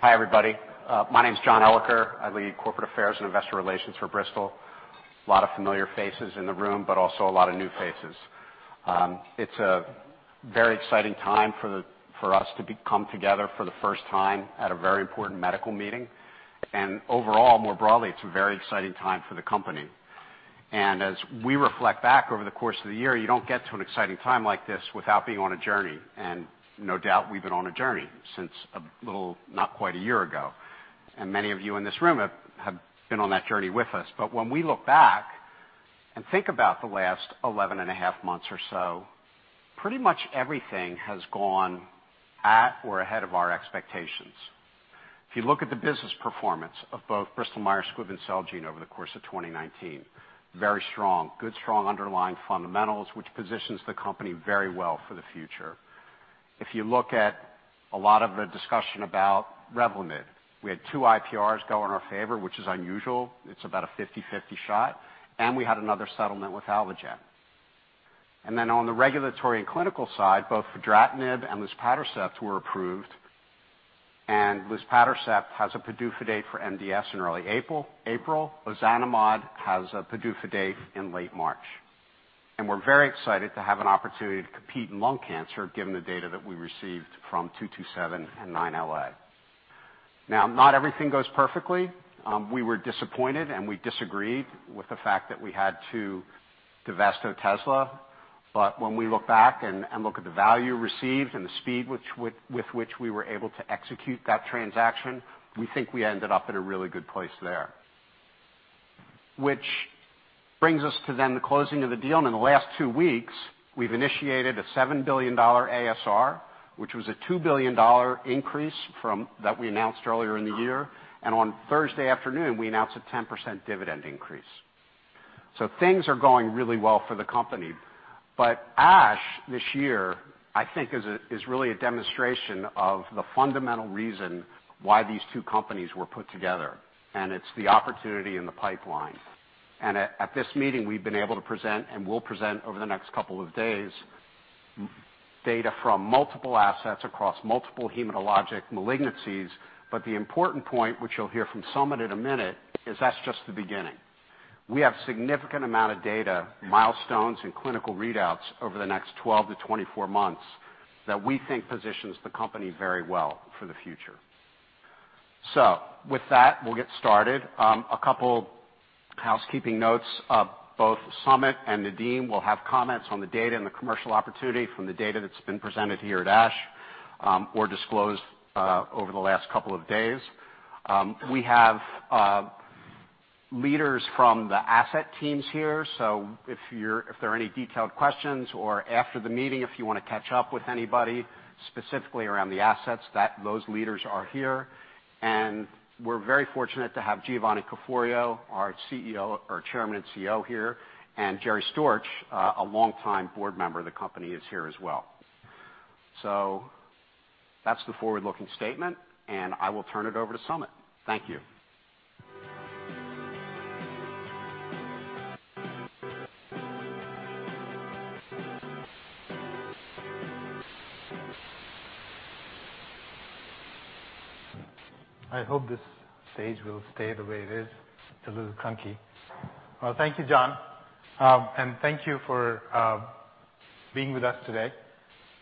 Hi, everybody. My name's John Elicker. I lead corporate affairs and investor relations for Bristol. Lot of familiar faces in the room, but also a lot of new faces. It's a very exciting time for us to come together for the first time at a very important medical meeting. Overall, more broadly, it's a very exciting time for the company. As we reflect back over the course of the year, you don't get to an exciting time like this without being on a journey. No doubt, we've been on a journey since a little not quite a year ago. Many of you in this room have been on that journey with us. When we look back and think about the last 11.5 months or so, pretty much everything has gone at or ahead of our expectations. If you look at the business performance of both Bristol-Myers Squibb and Celgene over the course of 2019, very strong. Good, strong underlying fundamentals, which positions the company very well for the future. If you look at a lot of the discussion about REVLIMID, we had two IPRs go in our favor, which is unusual. It's about a 50/50 shot. We had another settlement with Alvogen. On the regulatory and clinical side, both fedratinib and luspatercept were approved, and luspatercept has a PDUFA date for MDS in early April. Ozanimod has a PDUFA date in late March. We're very excited to have an opportunity to compete in lung cancer, given the data that we received from 227 and 9LA. Not everything goes perfectly. We were disappointed, and we disagreed with the fact that we had to divest OTEZLA. When we look back and look at the value received and the speed with which we were able to execute that transaction, we think we ended up at a really good place there. Which brings us to then the closing of the deal, and in the last two weeks, we've initiated a $7 billion ASR, which was a $2 billion increase that we announced earlier in the year, and on Thursday afternoon, we announced a 10% dividend increase. Things are going really well for the company. ASH this year, I think, is really a demonstration of the fundamental reason why these two companies were put together, and it's the opportunity in the pipeline. At this meeting, we've been able to present, and will present over the next couple of days, data from multiple assets across multiple hematologic malignancies. The important point, which you'll hear from Samit in a minute, is that's just the beginning. We have significant amount of data, milestones, and clinical readouts over the next 12-24 months that we think positions the company very well for the future. With that, we'll get started. A couple housekeeping notes. Both Samit and Nadeem will have comments on the data and the commercial opportunity from the data that's been presented here at ASH, or disclosed over the last couple of days. We have leaders from the asset teams here. If there are any detailed questions or after the meeting, if you want to catch up with anybody, specifically around the assets, those leaders are here. We're very fortunate to have Giovanni Caforio, our Chairman and CEO here, and Jerry Storch, a longtime Board Member of the company, is here as well. That's the forward-looking statement, and I will turn it over to Samit. Thank you. I hope this stage will stay the way it is. It's a little clunky. Well, thank you, John. Thank you for being with us today.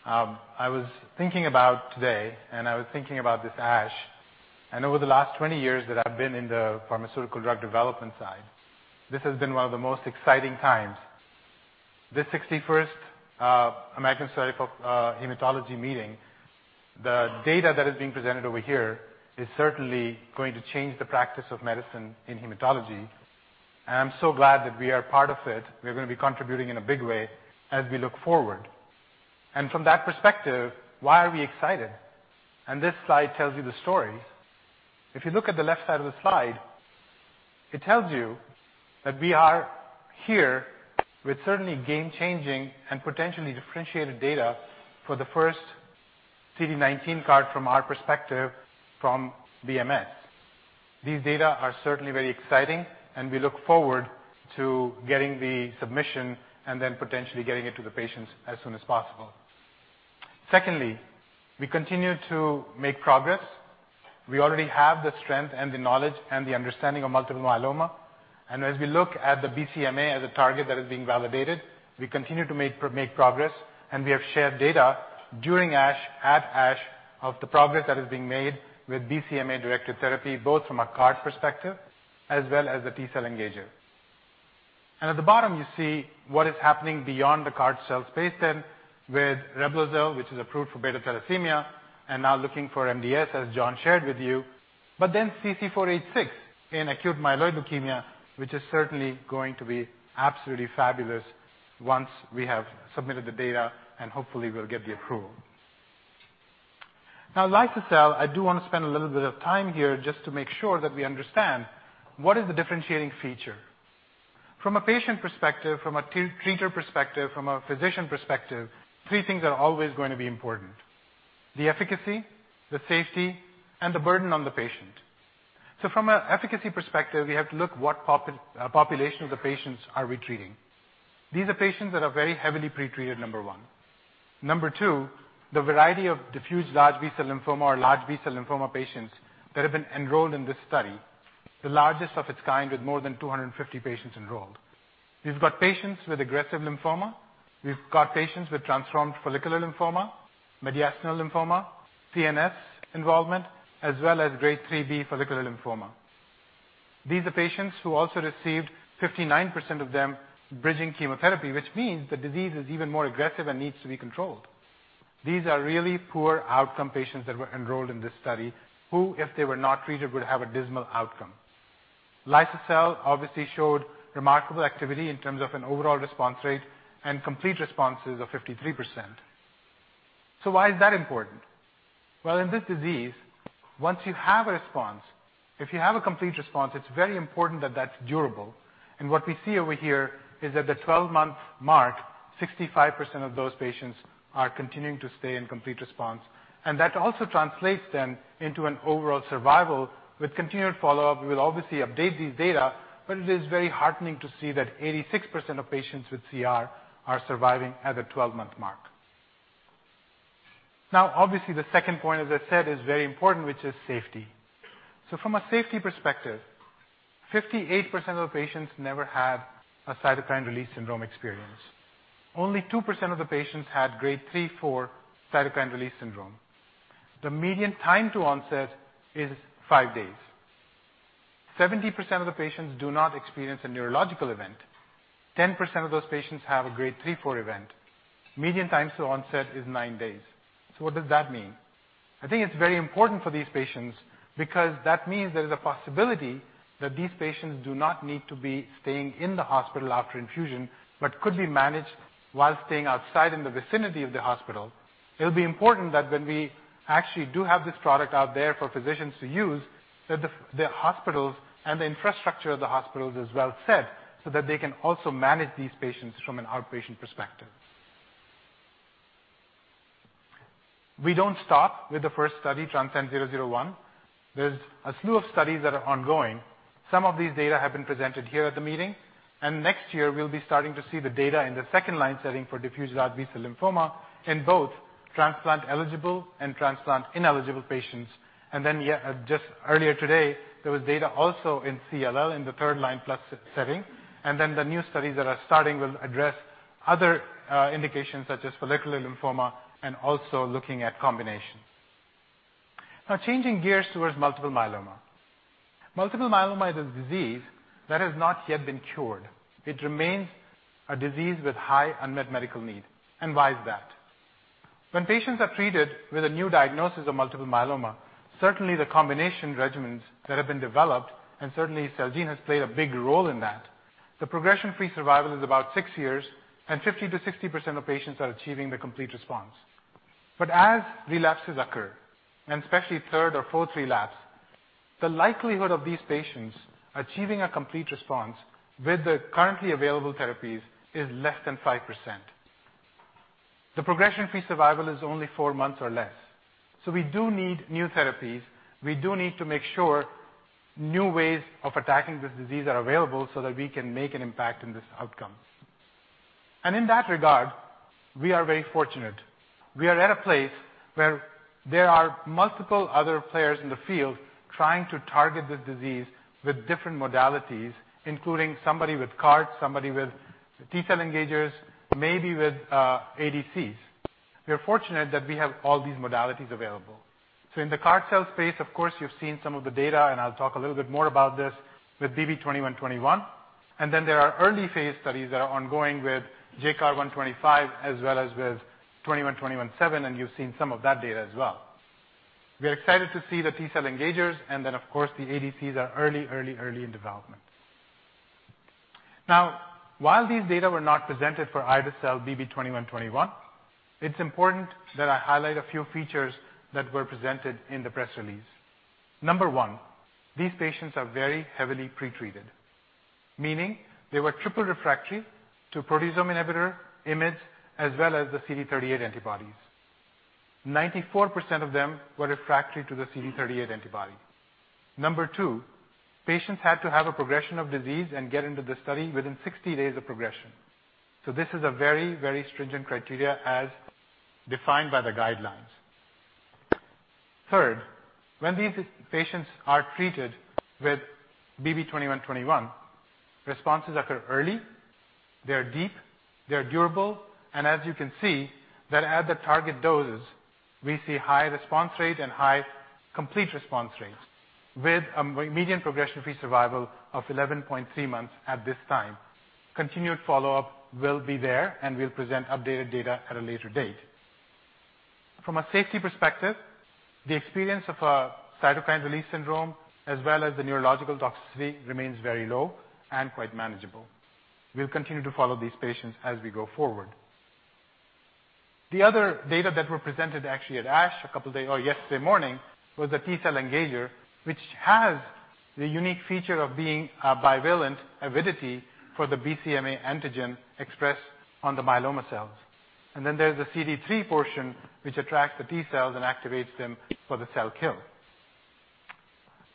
I was thinking about today, and I was thinking about this ASH. Over the last 20 years that I've been in the pharmaceutical drug development side, this has been one of the most exciting times. This 61st American Society of Hematology meeting, the data that is being presented over here is certainly going to change the practice of medicine in hematology, and I'm so glad that we are part of it. We're going to be contributing in a big way as we look forward. From that perspective, why are we excited? This slide tells you the story. If you look at the left side of the slide, it tells you that we are here with certainly game-changing and potentially differentiated data for the first CD19 CAR T from our perspective from BMS. These data are certainly very exciting, and we look forward to getting the submission and then potentially getting it to the patients as soon as possible. Secondly, we continue to make progress. We already have the strength and the knowledge and the understanding of multiple myeloma, and as we look at the BCMA as a target that is being validated, we continue to make progress, and we have shared data during ASH, at ASH, of the progress that is being made with BCMA-directed therapy, both from a CAR T perspective as well as a T-cell engager. At the bottom, you see what is happening beyond the CAR-T cell space then with REBLOZYL, which is approved for beta thalassemia, and now looking for MDS, as John shared with you. CC-486 in acute myeloid leukemia, which is certainly going to be absolutely fabulous once we have submitted the data and hopefully will get the approval. Liso-cel, I do want to spend a little bit of time here just to make sure that we understand what is the differentiating feature. From a patient perspective, from a treater perspective, from a physician perspective, three things are always going to be important. The efficacy, the safety, and the burden on the patient. From an efficacy perspective, we have to look what population of the patients are we treating. These are patients that are very heavily pre-treated, number one. Number two, the variety of diffuse large B-cell lymphoma or large B-cell lymphoma patients that have been enrolled in this study, the largest of its kind with more than 250 patients enrolled. We've got patients with aggressive lymphoma. We've got patients with transformed follicular lymphoma, mediastinal lymphoma, CNS involvement, as well as grade 3B follicular lymphoma. These are patients who also received 59% of them bridging chemotherapy, which means the disease is even more aggressive and needs to be controlled. These are really poor outcome patients that were enrolled in this study, who, if they were not treated, would have a dismal outcome. liso-cel obviously showed remarkable activity in terms of an overall response rate and complete responses of 53%. Why is that important? In this disease, once you have a response, if you have a complete response, it's very important that that's durable. What we see over here is that the 12-month mark, 65% of those patients are continuing to stay in complete response. That also translates then into an overall survival with continued follow-up. We will obviously update these data, but it is very heartening to see that 86% of patients with CR are surviving at the 12-month mark. Now, obviously, the second point, as I said, is very important, which is safety. From a safety perspective, 58% of patients never had a cytokine release syndrome experience. Only 2% of the patients had grade 3, 4 cytokine release syndrome. The median time to onset is five days. 70% of the patients do not experience a neurological event. 10% of those patients have a grade 3, 4 event. Median time to onset is nine days. What does that mean? I think it's very important for these patients because that means there is a possibility that these patients do not need to be staying in the hospital after infusion, but could be managed while staying outside in the vicinity of the hospital. It'll be important that when we actually do have this product out there for physicians to use, that the hospitals and the infrastructure of the hospitals is well set so that they can also manage these patients from an outpatient perspective. We don't stop with the first study, TRANSCEND 001. There's a slew of studies that are ongoing. Some of these data have been presented here at the meeting, and next year, we'll be starting to see the data in the second-line setting for diffuse large B-cell lymphoma in both transplant-eligible and transplant-ineligible patients. Just earlier today, there was data also in CLL in the third-line plus setting. The new studies that are starting will address other indications such as follicular lymphoma and also looking at combinations. Now changing gears towards multiple myeloma. Multiple myeloma is a disease that has not yet been cured. It remains a disease with high unmet medical need. Why is that? When patients are treated with a new diagnosis of multiple myeloma, certainly the combination regimens that have been developed, and certainly Celgene has played a big role in that, the progression-free survival is about six years, and 50%-60% of patients are achieving the complete response. As relapses occur, and especially third or fourth relapse, the likelihood of these patients achieving a complete response with the currently available therapies is less than 5%. The progression-free survival is only four months or less. We do need new therapies. We do need to make sure new ways of attacking this disease are available so that we can make an impact in this outcome. In that regard, we are very fortunate. We are at a place where there are multiple other players in the field trying to target the disease with different modalities, including somebody with CAR T, somebody with T-cell engagers, maybe with ADCs. We are fortunate that we have all these modalities available. In the CAR T-cell space, of course, you've seen some of the data, and I'll talk a little bit more about this with bb2121. There are early phase studies that are ongoing with JCARH125 as well as with 21217, and you've seen some of that data as well. We are excited to see the T-cell engagers. Of course, the ADCs are early in development. While these data were not presented for ide-cel bb2121, it's important that I highlight a few features that were presented in the press release. Number one, these patients are very heavily pretreated, meaning they were triple refractory to proteasome inhibitor, IMiDs, as well as the CD38 antibodies. 94% of them were refractory to the CD38 antibody. Number two, patients had to have a progression of disease and get into the study within 60 days of progression. This is a very stringent criteria as defined by the guidelines. Third, when these patients are treated with bb2121, responses occur early, they are deep, they are durable, and as you can see that at the target doses, we see high response rate and high complete response rates with a median progression-free survival of 11.3 months at this time. We'll present updated data at a later date. From a safety perspective, the experience of a cytokine release syndrome, as well as the neurological toxicity remains very low and quite manageable. We'll continue to follow these patients as we go forward. The other data that were presented actually at ASH yesterday morning was a T-cell engager, which has the unique feature of being a bivalent avidity for the BCMA antigen expressed on the myeloma cells. There's the CD3 portion, which attracts the T-cells and activates them for the cell kill.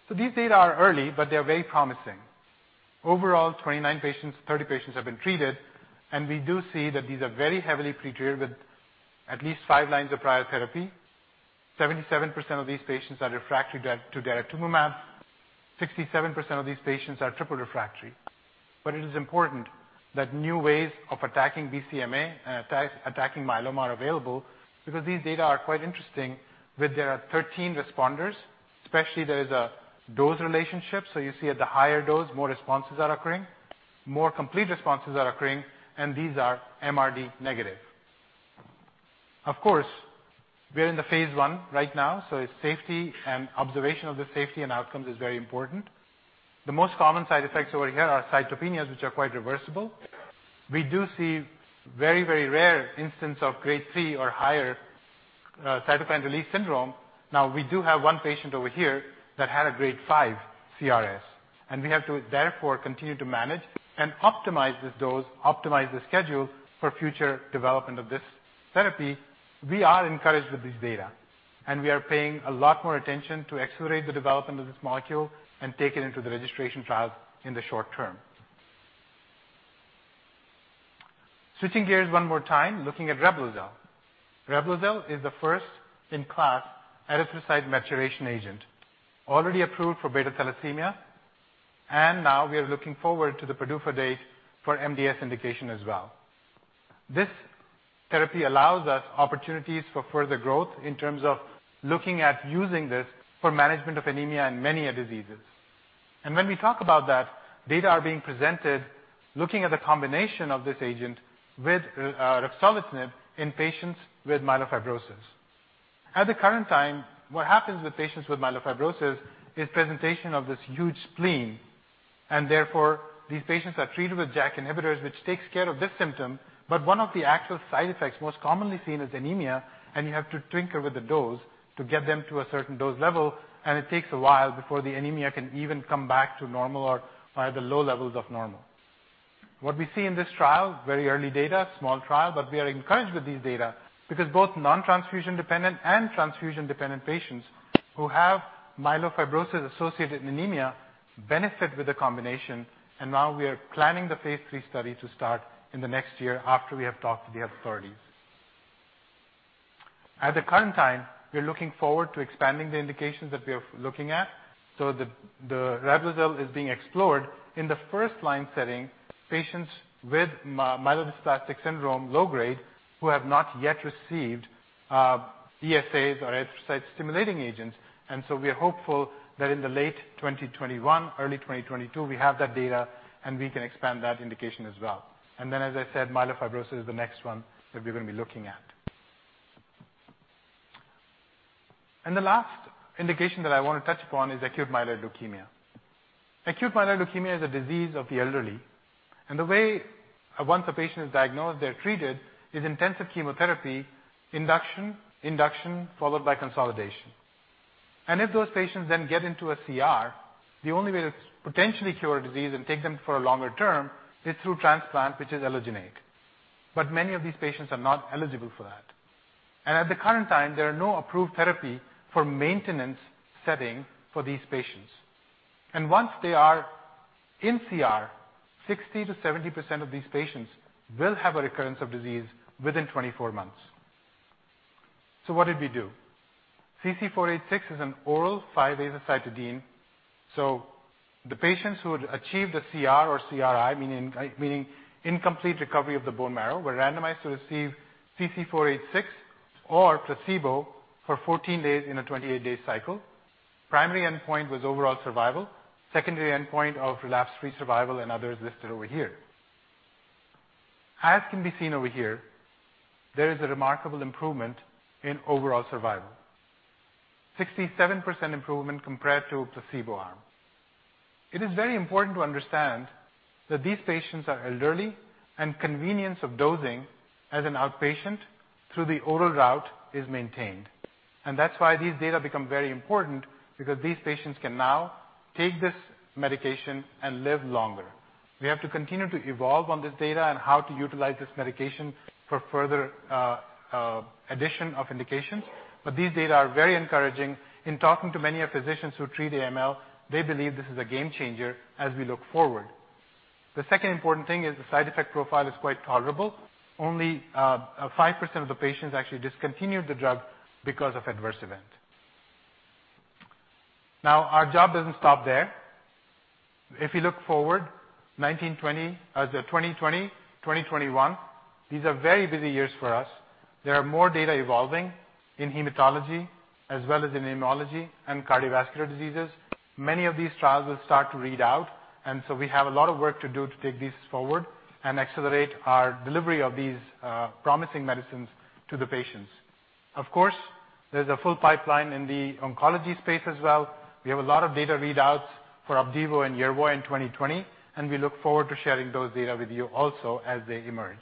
These data are early, but they're very promising. Overall, 29 patients, 30 patients have been treated, and we do see that these are very heavily pretreated with at least five lines of prior therapy. 77% of these patients are refractory to daratumumab, 67% of these patients are triple refractory. It is important that new ways of attacking BCMA and attacking myeloma are available because these data are quite interesting, where there are 13 responders, especially there is a dose relationship. You see at the higher dose, more responses are occurring, more complete responses are occurring, and these are MRD negative. Of course, we are in the phase I right now, so safety and observation of the safety and outcomes is very important. The most common side effects over here are cytopenias, which are quite reversible. We do see very rare instance of grade 3 or higher cytokine release syndrome. We do have one patient over here that had a grade 5 CRS, and we have to therefore continue to manage and optimize this dose, optimize the schedule for future development of this therapy. We are encouraged with this data, and we are paying a lot more attention to accelerate the development of this molecule and take it into the registration trials in the short term. Switching gears one more time, looking at REBLOZYL. REBLOZYL is the first in-class erythrocyte maturation agent already approved for beta thalassemia, and now we are looking forward to the PDUFA date for MDS indication as well. This therapy allows us opportunities for further growth in terms of looking at using this for management of anemia in many a diseases. When we talk about that, data are being presented looking at the combination of this agent with ruxolitinib in patients with myelofibrosis. At the current time, what happens with patients with myelofibrosis is presentation of this huge spleen, and therefore, these patients are treated with JAK inhibitors, which takes care of this symptom. One of the actual side effects most commonly seen is anemia, and you have to tinker with the dose to get them to a certain dose level, and it takes a while before the anemia can even come back to normal or by the low levels of normal. What we see in this trial, very early data, small trial, but we are encouraged with these data because both non-transfusion dependent and transfusion dependent patients who have myelofibrosis associated anemia benefit with the combination. Now we are planning the phase III study to start in the next year after we have talked to the authorities. At the current time, we are looking forward to expanding the indications that we are looking at. The REBLOZYL is being explored in the first line setting, patients with myelodysplastic syndrome, low grade, who have not yet received ESAs or erythrocyte-stimulating agents. We are hopeful that in the late 2021, early 2022, we have that data, and we can expand that indication as well. As I said, myelofibrosis is the next one that we're going to be looking at. The last indication that I want to touch upon is acute myeloid leukemia. Acute myeloid leukemia is a disease of the elderly, and the way once a patient is diagnosed, they're treated, is intensive chemotherapy, induction, followed by consolidation. If those patients then get into a CR, the only way to potentially cure a disease and take them for a longer term is through transplant, which is allogeneic. Many of these patients are not eligible for that. At the current time, there are no approved therapy for maintenance setting for these patients. Once they are in CR, 60%-70% of these patients will have a recurrence of disease within 24 months. What did we do? CC-486 is an oral 5-azacitidine. The patients who had achieved a CR or CRI, meaning incomplete recovery of the bone marrow, were randomized to receive CC-486 or placebo for 14 days in a 28-day cycle. Primary endpoint was overall survival, secondary endpoint of relapse-free survival, and others listed over here. As can be seen over here, there is a remarkable improvement in overall survival. 67% improvement compared to placebo arm. It is very important to understand that these patients are elderly and convenience of dosing as an outpatient through the oral route is maintained. That's why these data become very important because these patients can now take this medication and live longer. We have to continue to evolve on this data and how to utilize this medication for further addition of indications. These data are very encouraging. In talking to many a physicians who treat AML, they believe this is a game changer as we look forward. The second important thing is the side effect profile is quite tolerable. Only 5% of the patients actually discontinued the drug because of adverse event. Our job doesn't stop there. If we look forward, 2020, 2021, these are very busy years for us. There are more data evolving in hematology as well as in immunology and cardiovascular diseases. Many of these trials will start to read out, we have a lot of work to do to take these forward and accelerate our delivery of these promising medicines to the patients. There's a full pipeline in the oncology space as well. We have a lot of data readouts for OPDIVO and YERVOY in 2020, and we look forward to sharing those data with you also as they emerge.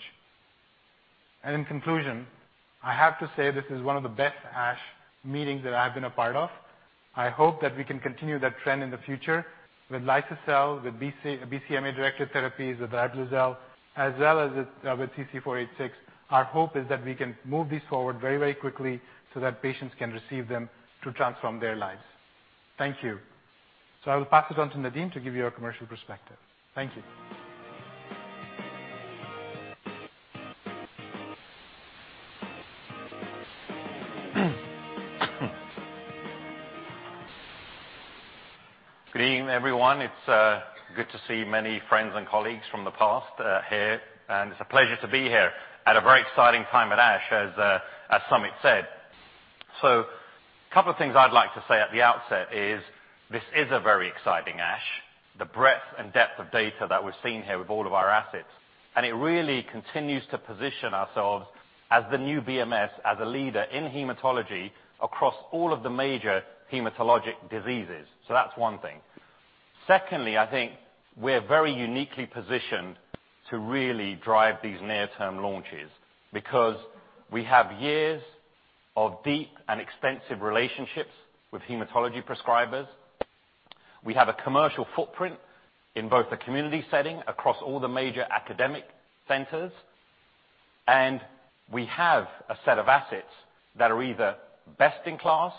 In conclusion, I have to say this is one of the best ASH meetings that I've been a part of. I hope that we can continue that trend in the future with liso-cel, with BCMA-directed therapies, with REBLOZYL, as well as with CC-486. Our hope is that we can move these forward very quickly so that patients can receive them to transform their lives. Thank you. I will pass it on to Nadeem to give you a commercial perspective. Thank you. Good evening, everyone. It's good to see many friends and colleagues from the past here, and it's a pleasure to be here at a very exciting time at ASH, as Samit said. A couple of things I'd like to say at the outset is, this is a very exciting ASH, the breadth and depth of data that we're seeing here with all of our assets. It really continues to position ourselves as the new BMS, as a leader in hematology across all of the major hematologic diseases. That's one thing. Secondly, I think we're very uniquely positioned to really drive these near-term launches because we have years of deep and extensive relationships with hematology prescribers. We have a commercial footprint in both the community setting across all the major academic centers, and we have a set of assets that are either best-in-class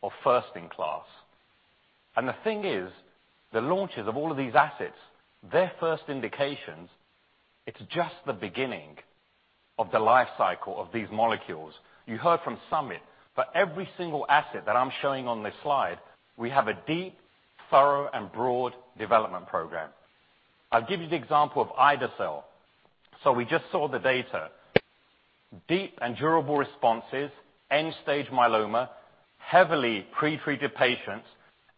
or first-in-class. The thing is, the launches of all of these assets, their first indications, it's just the beginning of the life cycle of these molecules. You heard from Samit, for every single asset that I'm showing on this slide, we have a deep, thorough, and broad development program. I'll give you the example of ide-cel. We just saw the data. Deep and durable responses, end-stage myeloma, heavily pre-treated patients.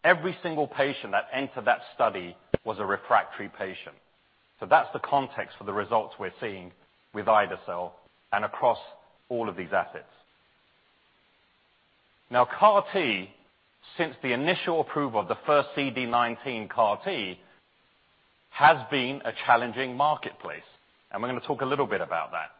Every single patient that entered that study was a refractory patient. That's the context for the results we're seeing with ide-cel and across all of these assets. CAR T, since the initial approval of the first CD19 CAR T, has been a challenging marketplace. We're going to talk a little bit about that.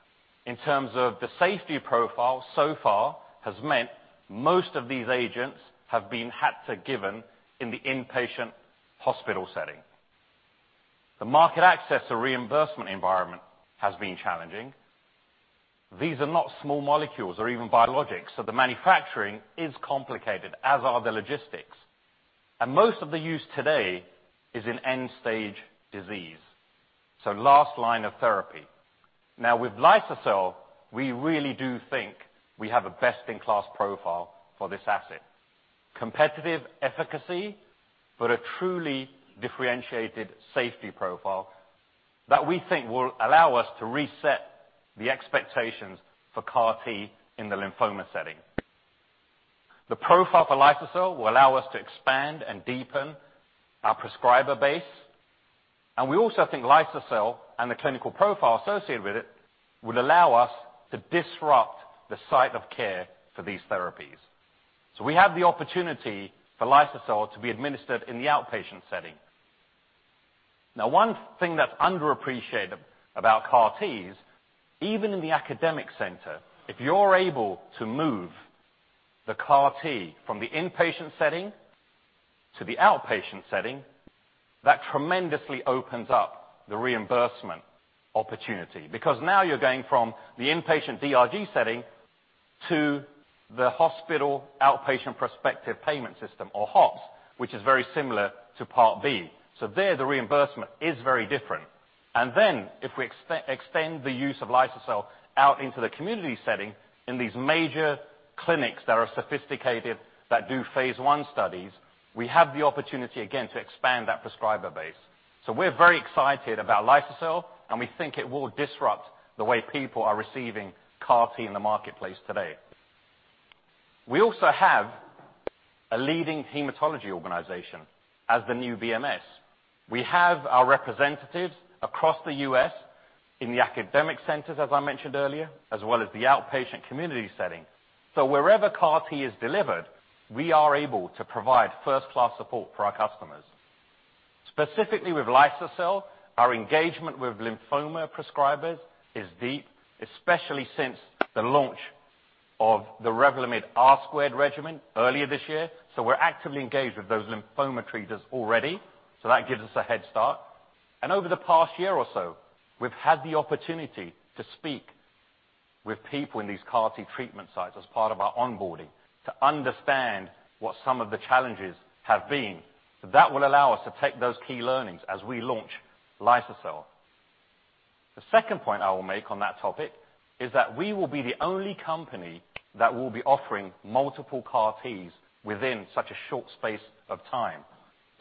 In terms of the safety profile so far has meant most of these agents have been had to given in the inpatient hospital setting. The market access or reimbursement environment has been challenging. These are not small molecules or even biologics, so the manufacturing is complicated, as are the logistics. Most of the use today is in end-stage disease. Last line of therapy. Now with liso-cel, we really do think we have a best-in-class profile for this asset. Competitive efficacy, but a truly differentiated safety profile that we think will allow us to reset the expectations for CAR T in the lymphoma setting. The profile for liso-cel will allow us to expand and deepen our prescriber base. We also think liso-cel and the clinical profile associated with it would allow us to disrupt the site of care for these therapies. We have the opportunity for liso-cel to be administered in the outpatient setting. One thing that's underappreciated about CAR Ts, even in the academic center, if you're able to move the CAR T from the inpatient setting to the outpatient setting, that tremendously opens up the reimbursement opportunity. You're going from the inpatient DRG setting to the hospital outpatient prospective payment system or HOPPS, which is very similar to Part B. There, the reimbursement is very different. If we extend the use of liso-cel out into the community setting in these major clinics that are sophisticated, that do phase I studies, we have the opportunity again to expand that prescriber base. We're very excited about liso-cel, and we think it will disrupt the way people are receiving CAR T in the marketplace today. We also have a leading hematology organization as the new BMS. We have our representatives across the U.S. in the academic centers, as I mentioned earlier, as well as the outpatient community setting. Wherever CAR T is delivered, we are able to provide first-class support for our customers. Specifically with liso-cel, our engagement with lymphoma prescribers is deep, especially since the launch of the REVLIMID R² regimen earlier this year. We're actively engaged with those lymphoma treaters already, so that gives us a head start. Over the past year or so, we've had the opportunity to speak with people in these CAR T treatment sites as part of our onboarding to understand what some of the challenges have been. That will allow us to take those key learnings as we launch liso-cel. The second point I will make on that topic is that we will be the only company that will be offering multiple CAR-Ts within such a short space of time.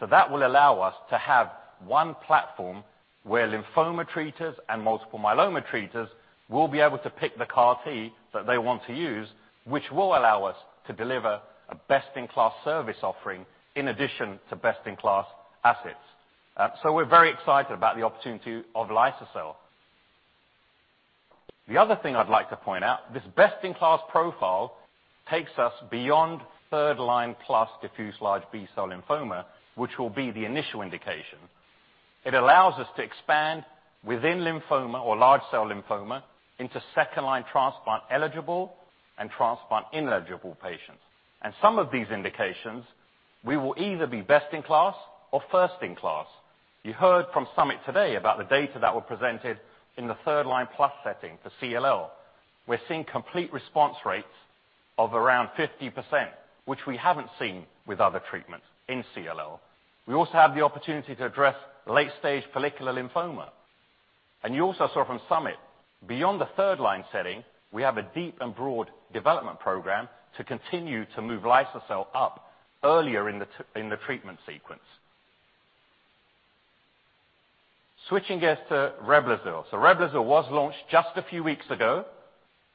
That will allow us to have one platform where lymphoma treaters and multiple myeloma treaters will be able to pick the CAR-T that they want to use, which will allow us to deliver a best-in-class service offering in addition to best-in-class assets. We're very excited about the opportunity of liso-cel. The other thing I'd like to point out, this best-in-class profile takes us beyond third-line plus diffuse large B-cell lymphoma, which will be the initial indication. It allows us to expand within lymphoma or large cell lymphoma into second-line transplant eligible and transplant ineligible patients. Some of these indications, we will either be best in class or first in class. You heard from Samit today about the data that were presented in the third-line plus setting for CLL. We're seeing complete response rates of around 50%, which we haven't seen with other treatments in CLL. We also have the opportunity to address late-stage follicular lymphoma. You also saw from Samit, beyond the third-line setting, we have a deep and broad development program to continue to move liso-cel up earlier in the treatment sequence. Switching gears to REBLOZYL. REBLOZYL was launched just a few weeks ago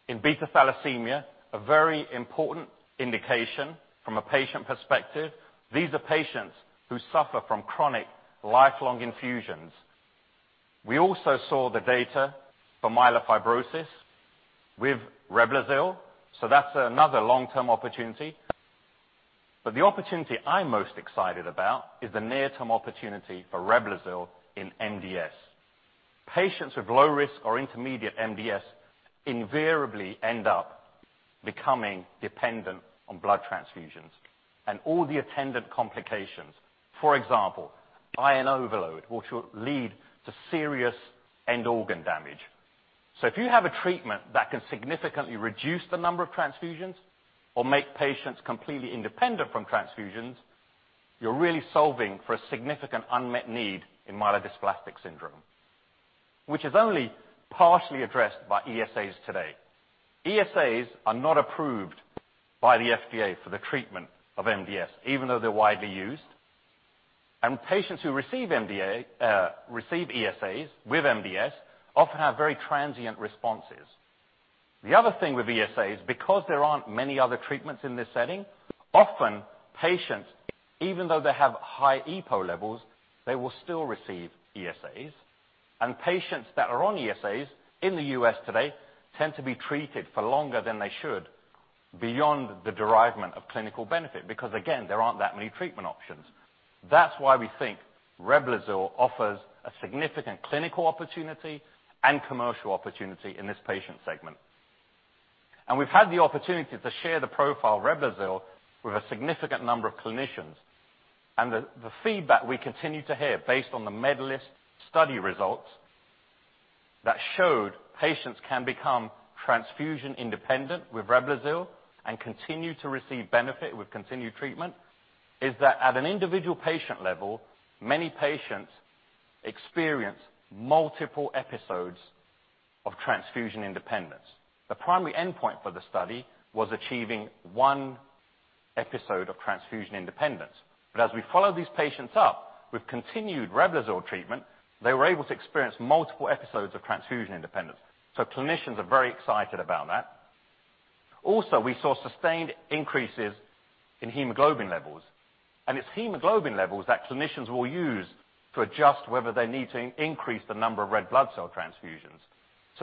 in beta thalassemia, a very important indication from a patient perspective. These are patients who suffer from chronic lifelong infusions. We also saw the data for myelofibrosis with REBLOZYL, so that's another long-term opportunity. The opportunity I'm most excited about is the near-term opportunity for REBLOZYL in MDS. Patients with low risk or intermediate MDS invariably end up becoming dependent on blood transfusions and all the attendant complications. For example, iron overload, which will lead to serious end organ damage. If you have a treatment that can significantly reduce the number of transfusions or make patients completely independent from transfusions, you're really solving for a significant unmet need in myelodysplastic syndrome, which is only partially addressed by ESAs today. ESAs are not approved by the FDA for the treatment of MDS, even though they're widely used. Patients who receive ESAs with MDS often have very transient responses. The other thing with ESAs, because there aren't many other treatments in this setting, often patients, even though they have high EPO levels, they will still receive ESAs. Patients that are on ESAs in the U.S. today tend to be treated for longer than they should, beyond the derivement of clinical benefit, because again, there aren't that many treatment options. That's why we think REBLOZYL offers a significant clinical opportunity and commercial opportunity in this patient segment. We've had the opportunity to share the profile of REBLOZYL with a significant number of clinicians, and the feedback we continue to hear based on the MEDALIST study results that showed patients can become transfusion independent with REBLOZYL and continue to receive benefit with continued treatment, is that at an individual patient level, many patients experience multiple episodes of transfusion independence. The primary endpoint for the study was achieving one episode of transfusion independence. As we follow these patients up with continued REBLOZYL treatment, they were able to experience multiple episodes of transfusion independence. Clinicians are very excited about that. Also, we saw sustained increases in hemoglobin levels, and it's hemoglobin levels that clinicians will use to adjust whether they need to increase the number of red blood cell transfusions.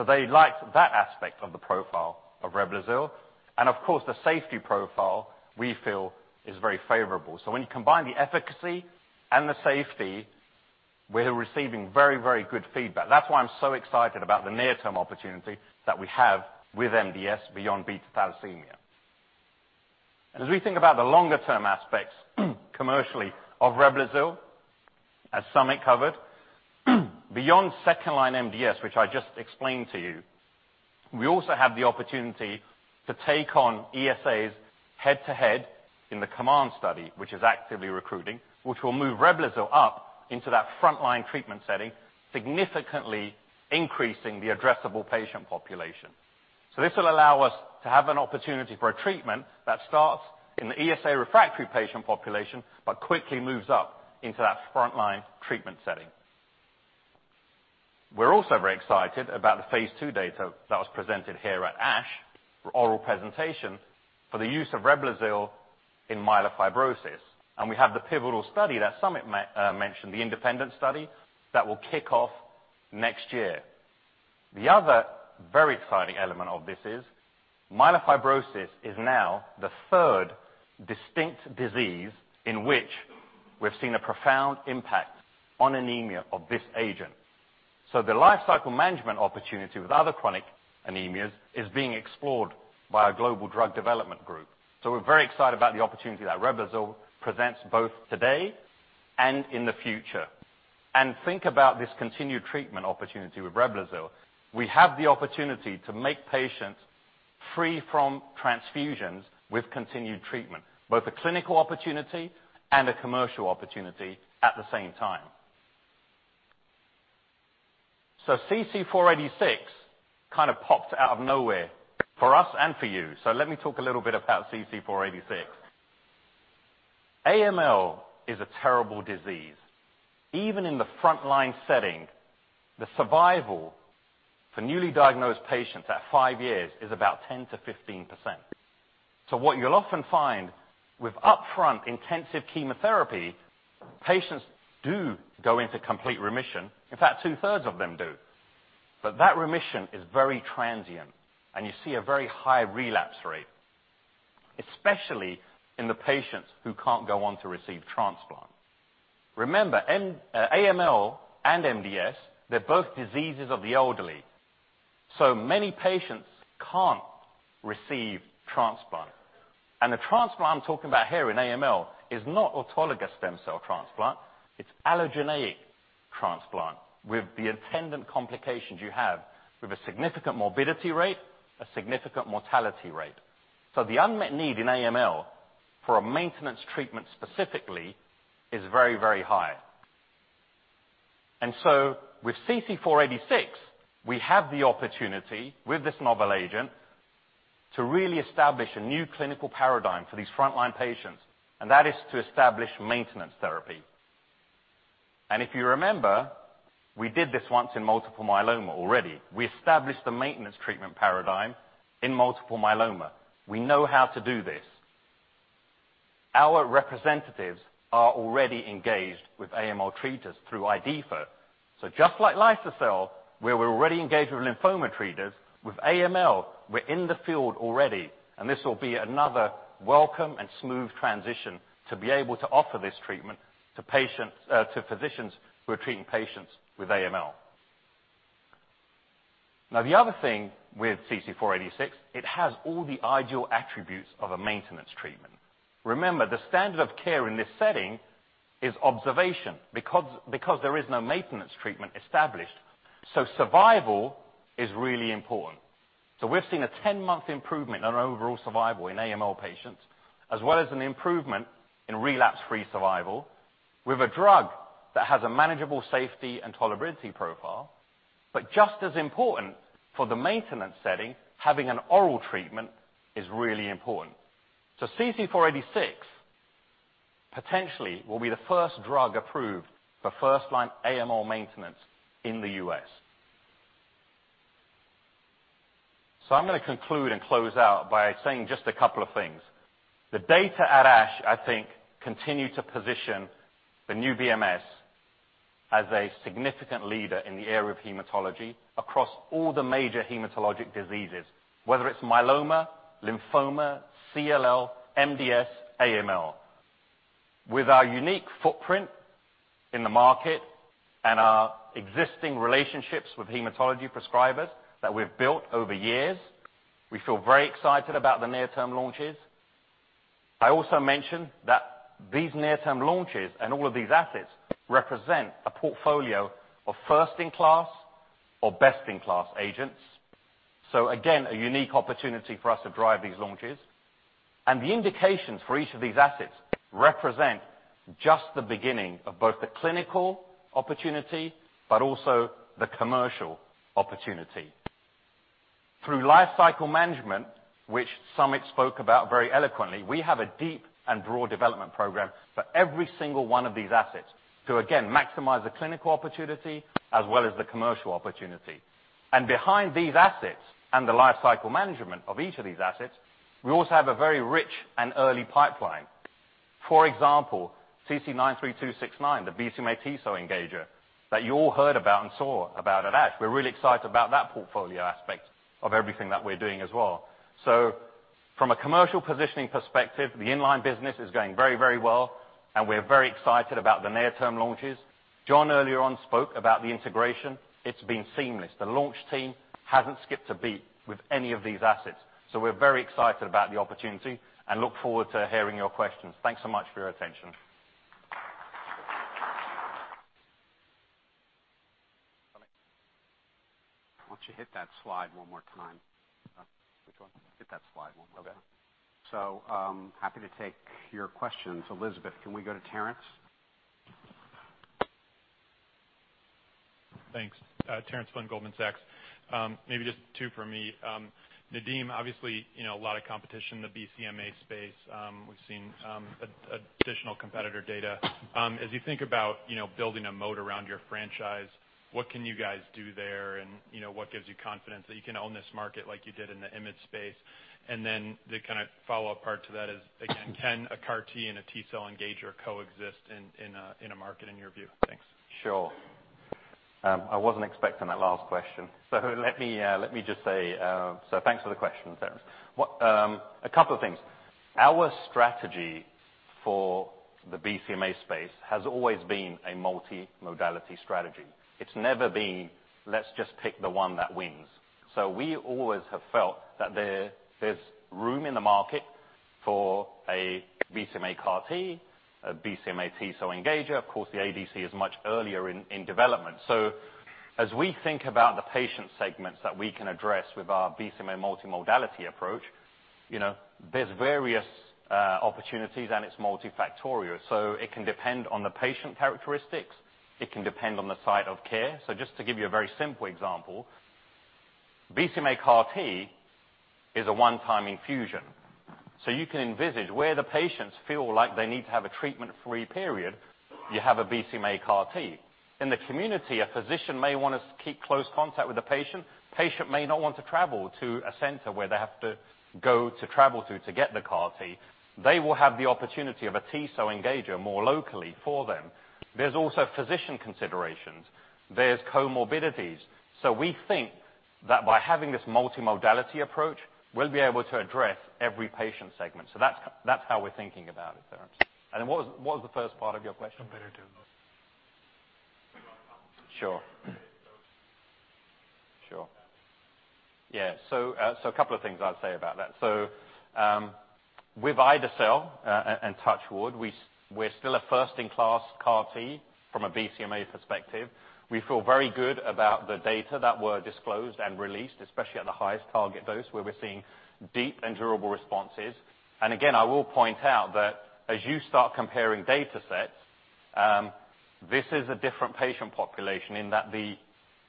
They liked that aspect of the profile of REBLOZYL. And of course, the safety profile we feel is very favorable. When you combine the efficacy and the safety, we're receiving very good feedback. That's why I'm so excited about the near-term opportunity that we have with MDS beyond beta thalassemia. As we think about the longer term aspects, commercially, of REBLOZYL, as Samit covered. Beyond second line MDS, which I just explained to you, we also have the opportunity to take on ESAs head-to-head in the COMMANDS study, which is actively recruiting, which will move REBLOZYL up into that frontline treatment setting, significantly increasing the addressable patient population. This will allow us to have an opportunity for a treatment that starts in the ESA refractory patient population, but quickly moves up into that frontline treatment setting. We're also very excited about the phase II data that was presented here at ASH, oral presentation for the use of REBLOZYL in myelofibrosis. We have the pivotal study that Samit mentioned, the independent study that will kick off next year. The other very exciting element of this is myelofibrosis is now the third distinct disease in which we've seen a profound impact on anemia of this agent. The life cycle management opportunity with other chronic anemias is being explored by our global drug development group. We're very excited about the opportunity that REBLOZYL presents both today and in the future. Think about this continued treatment opportunity with REBLOZYL. We have the opportunity to make patients free from transfusions with continued treatment, both a clinical opportunity and a commercial opportunity at the same time. CC-486 kind of popped out of nowhere for us and for you. Let me talk a little bit about CC-486. AML is a terrible disease. Even in the frontline setting, the survival for newly diagnosed patients at five years is about 10%-15%. What you'll often find with upfront intensive chemotherapy, patients do go into complete remission. In fact, two-thirds of them do. That remission is very transient and you see a very high relapse rate, especially in the patients who can't go on to receive transplant. Remember, AML and MDS, they're both diseases of the elderly, so many patients can't receive transplant. The transplant I'm talking about here in AML is not autologous stem cell transplant, it's allogeneic transplant with the attendant complications you have, with a significant morbidity rate, a significant mortality rate. The unmet need in AML for a maintenance treatment specifically is very high. With CC-486, we have the opportunity with this novel agent to really establish a new clinical paradigm for these frontline patients, and that is to establish maintenance therapy. If you remember, we did this once in multiple myeloma already. We established the maintenance treatment paradigm in multiple myeloma. We know how to do this. Our representatives are already engaged with AML treaters through IDHIFA. Just like liso-cel, where we're already engaged with lymphoma treaters, with AML, we're in the field already, and this will be another welcome and smooth transition to be able to offer this treatment to physicians who are treating patients with AML. The other thing with CC-486, it has all the ideal attributes of a maintenance treatment. Remember, the standard of care in this setting is observation because there is no maintenance treatment established, survival is really important. We've seen a 10-month improvement on overall survival in AML patients, as well as an improvement in relapse-free survival with a drug that has a manageable safety and tolerability profile. Just as important for the maintenance setting, having an oral treatment is really important. CC-486 potentially will be the first drug approved for first-line AML maintenance in the U.S. I'm going to conclude and close out by saying just a couple of things. The data at ASH, I think, continue to position the new BMS as a significant leader in the area of hematology across all the major hematologic diseases, whether it's myeloma, lymphoma, CLL, MDS, AML. With our unique footprint in the market and our existing relationships with hematology prescribers that we've built over years, we feel very excited about the near-term launches. I also mentioned that these near-term launches and all of these assets represent a portfolio of first-in-class or best-in-class agents. Again, a unique opportunity for us to drive these launches. The indications for each of these assets represent just the beginning of both the clinical opportunity, but also the commercial opportunity. Through life cycle management, which Samit spoke about very eloquently, we have a deep and broad development program for every single one of these assets to, again, maximize the clinical opportunity as well as the commercial opportunity. Behind these assets and the life cycle management of each of these assets, we also have a very rich and early pipeline. For example, CC-93269, the BCMA T-cell engager that you all heard about and saw about at ASH. We're really excited about that portfolio aspect of everything that we're doing as well. From a commercial positioning perspective, the in-line business is going very well, and we're very excited about the near-term launches. John earlier on spoke about the integration. It's been seamless. The launch team hasn't skipped a beat with any of these assets. We're very excited about the opportunity and look forward to hearing your questions. Thanks so much for your attention. Why don't you hit that slide one more time? Which one? Hit that slide one more time. Okay. Happy to take your questions. Elizabeth, can we go to Terence? Thanks. Terence Flynn, Goldman Sachs. Maybe just two for me. Nadeem, obviously, a lot of competition in the BCMA space. We've seen additional competitor data. As you think about building a moat around your franchise, what can you guys do there, and what gives you confidence that you can own this market like you did in the IMiD space? Then the follow-up part to that is, again, can a CAR T and a T-cell engager coexist in a market, in your view? Thanks. Sure. I wasn't expecting that last question. Let me just say, thanks for the question, Terence. A couple of things. Our strategy for the BCMA space has always been a multimodality strategy. It's never been, "Let's just pick the one that wins." We always have felt that there's room in the market for a BCMA CAR T, a BCMA T-cell engager. Of course, the ADC is much earlier in development. As we think about the patient segments that we can address with our BCMA multimodality approach, there's various opportunities and it's multifactorial. It can depend on the patient characteristics, it can depend on the site of care. Just to give you a very simple example, BCMA CAR T is a one-time infusion. You can envisage where the patients feel like they need to have a treatment-free period, you have a BCMA CAR T. In the community, a physician may want to keep close contact with the patient. Patient may not want to travel to a center where they have to go to travel to get the CAR T. They will have the opportunity of a T-cell engager more locally for them. There's also physician considerations. There's comorbidities. We think that by having this multimodality approach, we'll be able to address every patient segment. That's how we're thinking about it, Terence. What was the first part of your question? Competitive landscape. Sure. Sure. Yeah. A couple of things I'd say about that. With ide-cel, and touch wood, we're still a first-in-class CAR T from a BCMA perspective. We feel very good about the data that were disclosed and released, especially at the highest target dose, where we're seeing deep and durable responses. Again, I will point out that as you start comparing data sets, this is a different patient population in that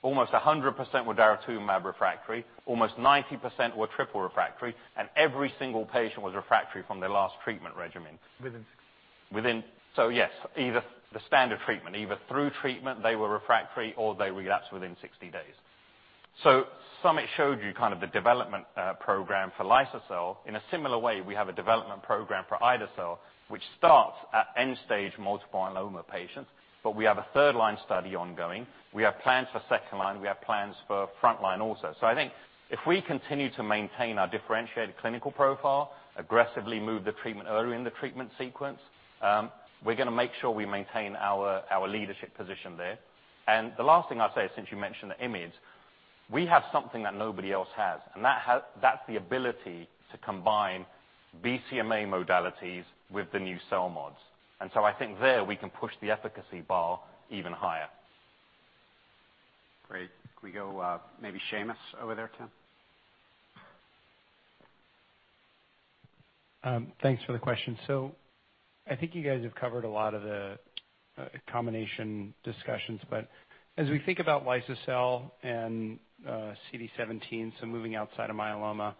almost 100% were daratumumab refractory, almost 90% were triple refractory, and every single patient was refractory from their last treatment regimen. Within 60. Within, yes, either the standard treatment, either through treatment they were refractory or they relapsed within 60 days. Samit showed you the development program for liso-cel. In a similar way, we have a development program for ide-cel, which starts at end-stage multiple myeloma patients, but we have a third-line study ongoing. We have plans for second line. We have plans for frontline also. I think if we continue to maintain our differentiated clinical profile, aggressively move the treatment early in the treatment sequence, we're going to make sure we maintain our leadership position there. The last thing I'll say, since you mentioned IMiD, we have something that nobody else has, and that's the ability to combine BCMA modalities with the new CELMoDs. I think there we can push the efficacy bar even higher. Great. Can we go, maybe Seamus over there, Tim? Thanks for the question. I think you guys have covered a lot of the combination discussions, but as we think about liso-cel and CD19, so moving outside of myeloma,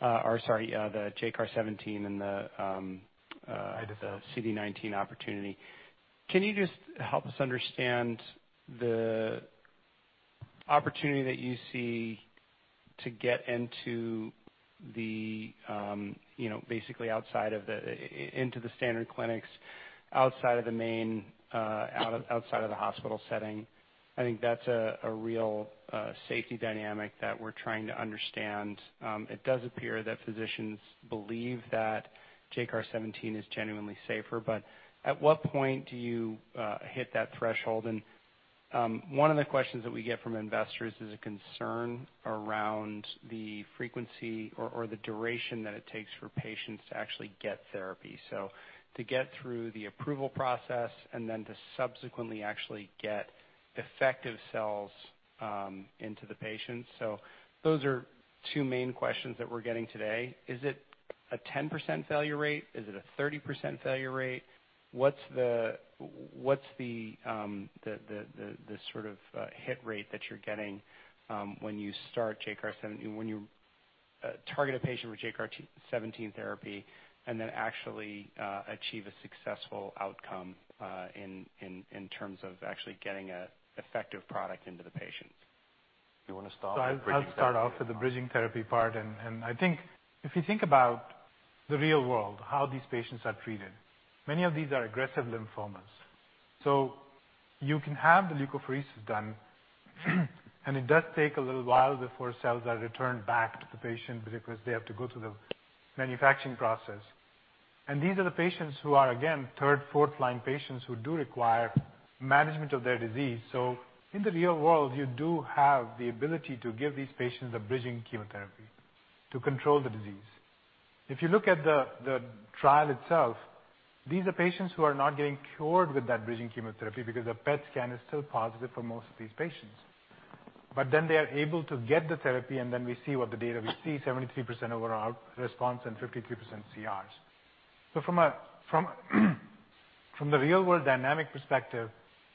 the JCAR017. Ide-cel. CD19 opportunity, can you just help us understand the opportunity that you see to get into the, basically outside of the, into the standard clinics outside of the main, outside of the hospital setting. I think that's a real safety dynamic that we're trying to understand. It does appear that physicians believe that JCAR017 is genuinely safer, but at what point do you hit that threshold? One of the questions that we get from investors is a concern around the frequency or the duration that it takes for patients to actually get therapy. To get through the approval process and then to subsequently actually get effective cells into the patients. Those are two main questions that we're getting today. Is it a 10% failure rate? Is it a 30% failure rate? What's the sort of hit rate that you're getting when you start JCAR017, when you target a patient with JCAR017 therapy and then actually achieve a successful outcome in terms of actually getting an effective product into the patients? Do you want to start with bridging therapy? I'll start off with the bridging therapy part. I think if you think about the real world, how these patients are treated, many of these are aggressive lymphomas. You can have the leukapheresis done and it does take a little while before cells are returned back to the patient because they have to go through the manufacturing process. These are the patients who are, again, third, fourth line patients who do require management of their disease. In the real world, you do have the ability to give these patients a bridging chemotherapy to control the disease. If you look at the trial itself, these are patients who are not getting cured with that bridging chemotherapy because their PET scan is still positive for most of these patients. They are able to get the therapy, and then we see 73% overall response and 53% CRs. From a real-world dynamic perspective,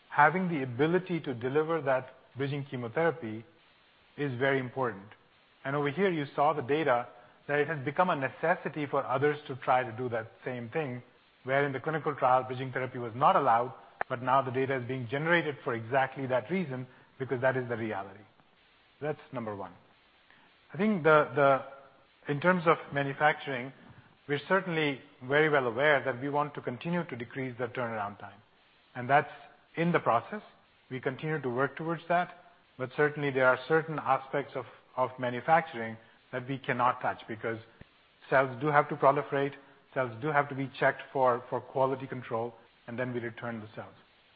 having the ability to deliver that bridging chemotherapy is very important. Over here you saw the data that it has become a necessity for others to try to do that same thing, where in the clinical trial, bridging therapy was not allowed, but now the data is being generated for exactly that reason, because that is the reality. That's number 1. I think in terms of manufacturing, we're certainly very well aware that we want to continue to decrease the turnaround time. That's in the process. We continue to work towards that, but certainly, there are certain aspects of manufacturing that we cannot touch because cells do have to proliferate, cells do have to be checked for quality control, and then we return the cells.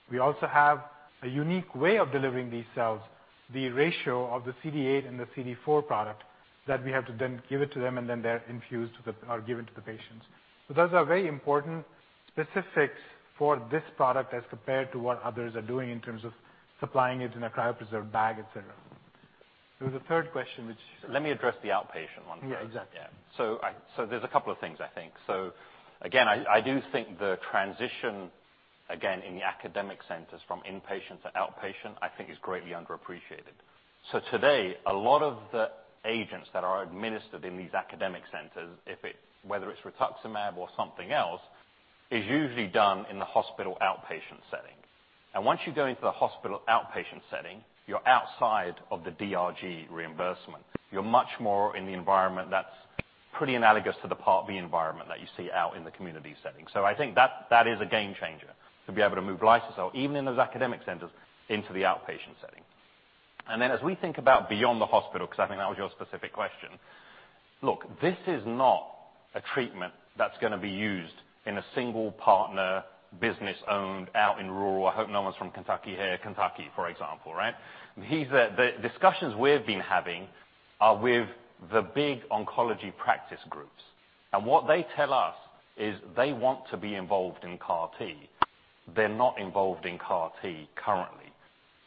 We also have a unique way of delivering these cells, the ratio of the CD8 and the CD4 product that we have to then give it to them, and then they're infused with or given to the patients. Those are very important specifics for this product as compared to what others are doing in terms of supplying it in a cryopreserved bag, et cetera. There was a third question. Let me address the outpatient one first. Yeah, exactly. There's a couple of things, I think. Again, I do think the transition, again, in the academic centers from inpatient to outpatient, I think is greatly underappreciated. Today, a lot of the agents that are administered in these academic centers, whether it's rituximab or something else, is usually done in the hospital outpatient setting. Once you go into the hospital outpatient setting, you're outside of the DRG reimbursement. You're much more in the environment that's pretty analogous to the Part B environment that you see out in the community setting. I think that is a game changer, to be able to move liso-cel, even in those academic centers, into the outpatient setting. As we think about beyond the hospital, because I think that was your specific question. This is not a treatment that's going to be used in a single partner business owned out in rural. I hope no one's from Kentucky here, Kentucky, for example, right? The discussions we've been having are with the big oncology practice groups. What they tell us is they want to be involved in CAR-T. They're not involved in CAR-T currently.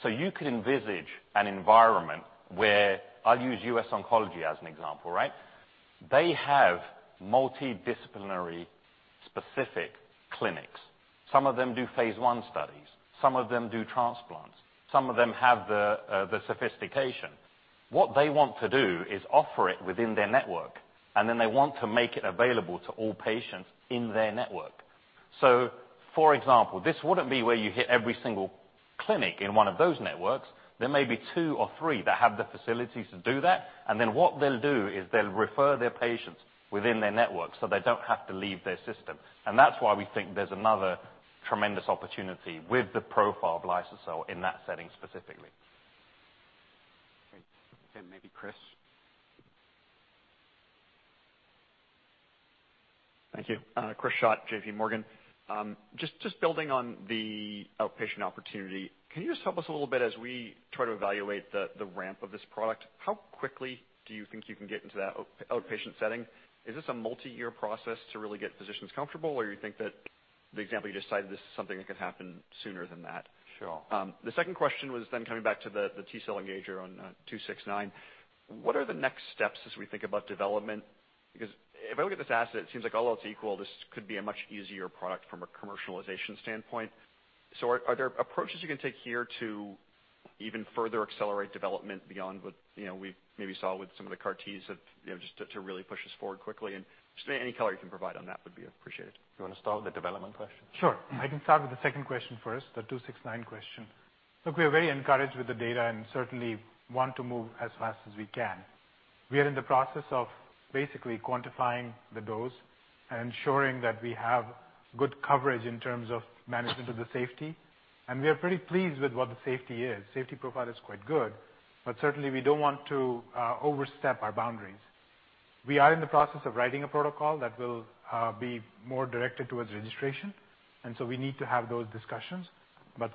You could envisage an environment where I'll use US Oncology as an example, right? They have multidisciplinary specific clinics. Some of them do phase I studies. Some of them do transplants. Some of them have the sophistication. What they want to do is offer it within their network, and then they want to make it available to all patients in their network. For example, this wouldn't be where you hit every single clinic in one of those networks. There may be two or three that have the facilities to do that. What they'll do is they'll refer their patients within their network so they don't have to leave their system. That's why we think there's another tremendous opportunity with the profile of liso-cel in that setting specifically. Great. Maybe Chris. Thank you. Chris Schott, JPMorgan. Just building on the outpatient opportunity, can you just help us a little bit as we try to evaluate the ramp of this product? How quickly do you think you can get into that outpatient setting? Is this a multi-year process to really get physicians comfortable, or you think that the example you just cited, this is something that could happen sooner than that? Sure. The second question was coming back to the T-cell engager on 269. What are the next steps as we think about development? If I look at this asset, it seems like all else equal, this could be a much easier product from a commercialization standpoint. Are there approaches you can take here to even further accelerate development beyond what we maybe saw with some of the CAR Ts that, just to really push us forward quickly? Just any color you can provide on that would be appreciated. Do you want to start with the development question? Sure. I can start with the second question first, the 269 question. Look, we are very encouraged with the data and certainly want to move as fast as we can. We are in the process of basically quantifying the dose and ensuring that we have good coverage in terms of management of the safety, and we are pretty pleased with what the safety is. Safety profile is quite good. Certainly we don't want to overstep our boundaries. We are in the process of writing a protocol that will be more directed towards registration. We need to have those discussions.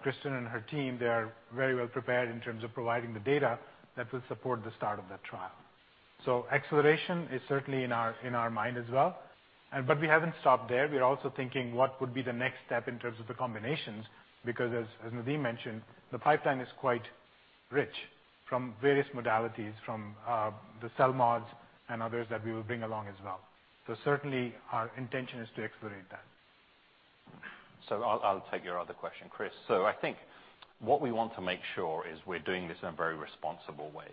Kristen and her team, they are very well prepared in terms of providing the data that will support the start of that trial. Acceleration is certainly in our mind as well. We haven't stopped there. We are also thinking what would be the next step in terms of the combinations, because as Nadeem mentioned, the pipeline is quite rich from various modalities, from the CELMoDs and others that we will bring along as well. Certainly our intention is to accelerate that. I'll take your other question, Chris. I think what we want to make sure is we're doing this in a very responsible way.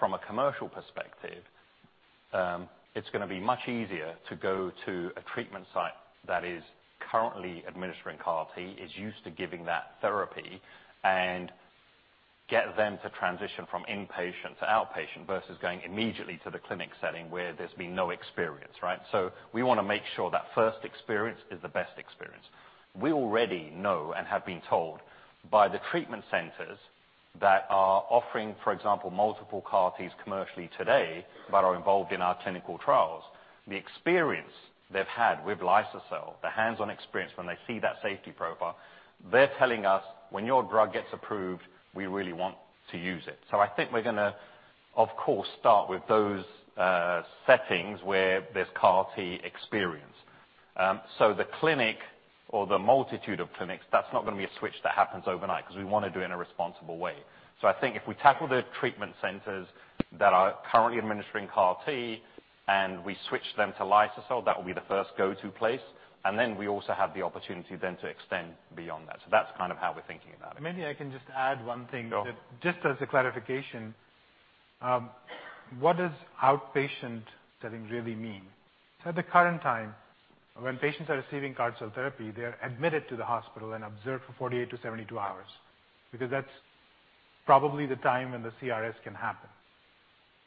From a commercial perspective, it's going to be much easier to go to a treatment site that is currently administering CAR-T, is used to giving that therapy and get them to transition from inpatient to outpatient versus going immediately to the clinic setting where there's been no experience, right? We want to make sure that first experience is the best experience. We already know and have been told by the treatment centers that are offering, for example, multiple CAR-Ts commercially today, but are involved in our clinical trials. The experience they've had with liso-cel, the hands-on experience, when they see that safety profile, they're telling us, "When your drug gets approved, we really want to use it." I think we're going to, of course, start with those settings where there's CAR T experience. The clinic or the multitude of clinics, that's not going to be a switch that happens overnight because we want to do it in a responsible way. I think if we tackle the treatment centers that are currently administering CAR T and we switch them to liso-cel, that will be the first go-to place, and then we also have the opportunity then to extend beyond that. That's how we're thinking about it. Maybe I can just add one thing. Go ahead. Just as a clarification. What does outpatient setting really mean? At the current time, when patients are receiving CAR T-cell therapy, they're admitted to the hospital and observed for 48-72 hours, because that's probably the time when the CRS can happen.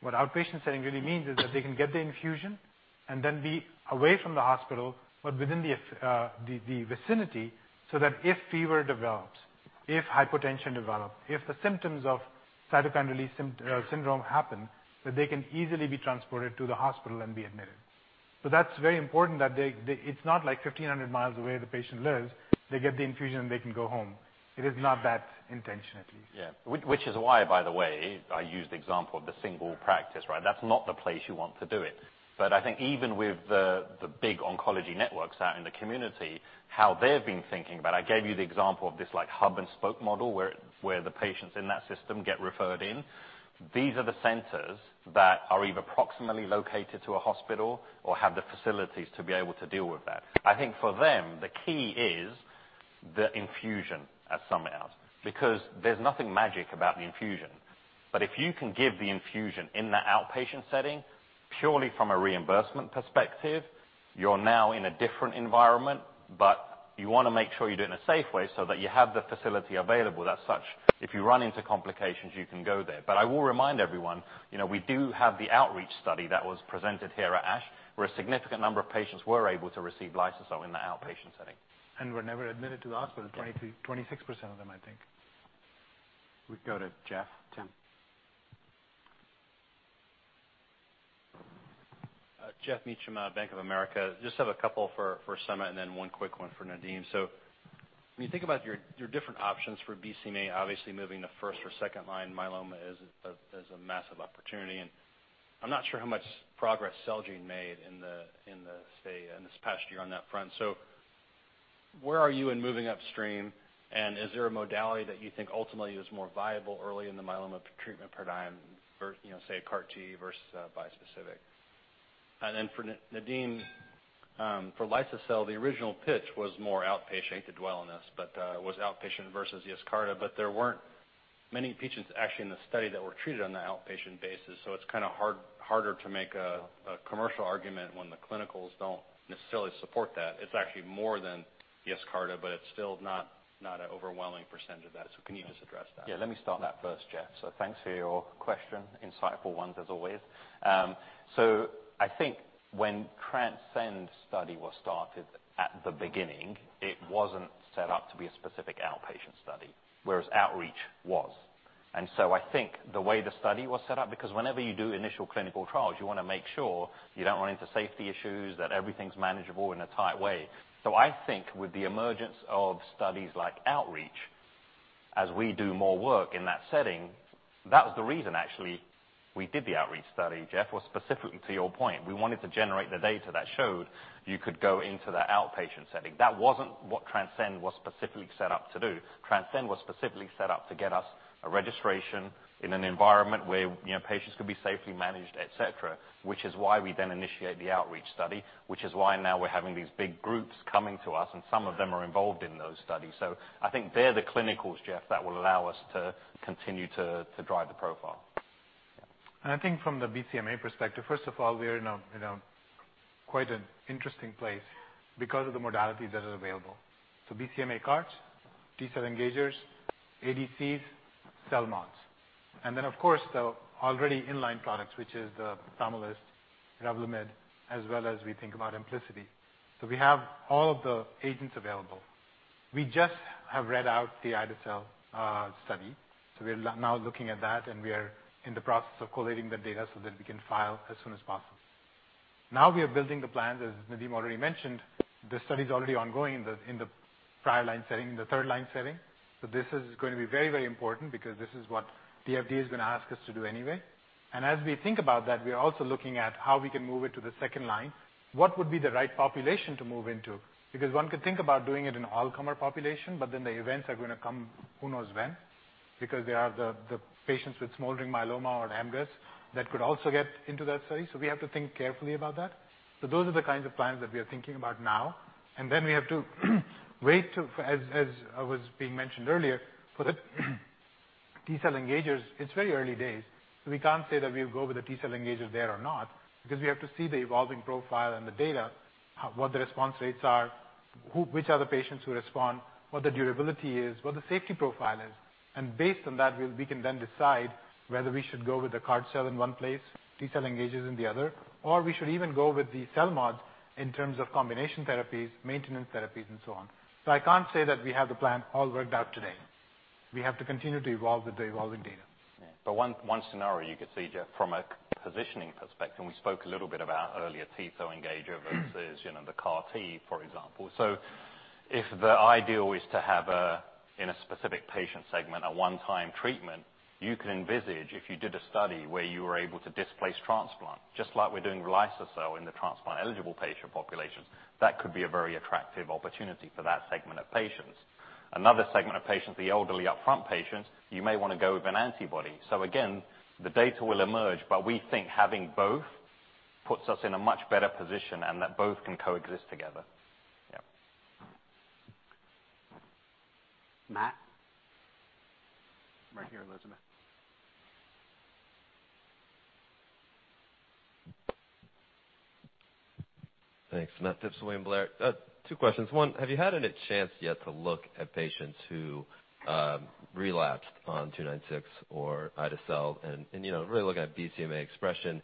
What outpatient setting really means is that they can get the infusion and then be away from the hospital, but within the vicinity, so that if fever develops, if hypotension develops, if the symptoms of cytokine release syndrome happen, that they can easily be transported to the hospital and be admitted. That's very important that it's not like 1,500 mi away the patient lives, they get the infusion, and they can go home. It is not that intention, at least. Yeah. Which is why, by the way, I used the example of the single practice, right? That's not the place you want to do it. I think even with the big oncology networks out in the community, how they've been thinking about it, I gave you the example of this hub and spoke model, where the patients in that system get referred in. These are the centers that are either proximally located to a hospital or have the facilities to be able to deal with that. I think for them, the key is the infusion at some else, because there's nothing magic about the infusion. If you can give the infusion in the outpatient setting, purely from a reimbursement perspective, you're now in a different environment, but you want to make sure you do it in a safe way so that you have the facility available as such. If you run into complications, you can go there. I will remind everyone, we do have the OUTREACH study that was presented here at ASH, where a significant number of patients were able to receive liso-cel in the outpatient setting. Were never admitted to the hospital, 26% of them, I think. We go to Geoff. Tim. Geoff Meacham, Bank of America. Just have a couple for Samit and then one quick one for Nadeem. When you think about your different options for BCMA, obviously moving to first or second line myeloma is a massive opportunity, and I'm not sure how much progress Celgene made in this past year on that front. Where are you in moving upstream, and is there a modality that you think ultimately is more viable early in the myeloma treatment paradigm, say, CAR T versus bispecific? For Nadeem, for liso-cel, the original pitch was more outpatient. I hate to dwell on this, but it was outpatient versus YESCARTA, but there weren't many patients actually in the study that were treated on the outpatient basis. It's kind of harder to make a commercial argument when the clinicals don't necessarily support that. It's actually more than YESCARTA, but it's still not an overwhelming percentage of that. Can you just address that? Yeah, let me start that first, Geoff. Thanks for your question, insightful ones as always. I think when TRANSCEND study was started at the beginning, it wasn't set up to be a specific outpatient study, whereas OUTREACH was. I think the way the study was set up, because whenever you do initial clinical trials, you want to make sure you don't run into safety issues, that everything's manageable in a tight way. I think with the emergence of studies like OUTREACH, as we do more work in that setting, that was the reason actually we did the OUTREACH study, Geoff, was specifically to your point. We wanted to generate the data that showed you could go into that outpatient setting. That wasn't what TRANSCEND was specifically set up to do. TRANSCEND was specifically set up to get us a registration in an environment where patients could be safely managed, et cetera, which is why we then initiate the OUTREACH study, which is why now we're having these big groups coming to us, and some of them are involved in those studies. I think they're the clinicals, Geoff, that will allow us to continue to drive the profile. I think from the BCMA perspective, first of all, we are in quite an interesting place because of the modalities that are available. BCMA CAR-T, T-cell engagers, ADCs, CELMoDs. Then, of course, the already in-line products, which is the POMALYST, REVLIMID, as well as we think about EMPLICITI. We have all of the agents available. We just have read out the ide-cel study. We're now looking at that, and we are in the process of collating the data so that we can file as soon as possible. We are building the plans, as Nadeem already mentioned. The study is already ongoing in the prior line setting, the third-line setting. This is going to be very important because this is what the FDA is going to ask us to do anyway. As we think about that, we are also looking at how we can move it to the second line. What would be the right population to move into? One could think about doing it in all-comer population, but then the events are going to come who knows when, because there are the patients with smoldering myeloma or MGUS that could also get into that study. We have to think carefully about that. Those are the kinds of plans that we are thinking about now. Then we have to wait, as was being mentioned earlier, for the T-cell engagers. It's very early days, so we can't say that we'll go with the t-cell engager there or not, because we have to see the evolving profile and the data, what the response rates are, which are the patients who respond, what the durability is, what the safety profile is. Based on that, we can then decide whether we should go with the CAR T-cell in one place, t-cell engagers in the other, or we should even go with the CELMoD in terms of combination therapies, maintenance therapies, and so on. I can't say that we have the plan all worked out today. We have to continue to evolve with the evolving data. One scenario you could see, Geoff, from a positioning perspective, and we spoke a little bit about earlier T-cell engager versus the CAR T, for example. If the ideal is to have, in a specific patient segment, a one-time treatment, you could envisage if you did a study where you were able to displace transplant, just like we're doing with liso-cel in the transplant-eligible patient populations, that could be a very attractive opportunity for that segment of patients. Another segment of patients, the elderly upfront patients, you may want to go with an antibody. Again, the data will emerge, but we think having both puts us in a much better position and that both can coexist together. Yeah. Matt? Right here, Elizabeth. Thanks. Matt Phipps, William Blair. Two questions. One, have you had any chance yet to look at patients who relapsed on 296 or ide-cel and really looking at BCMA expression?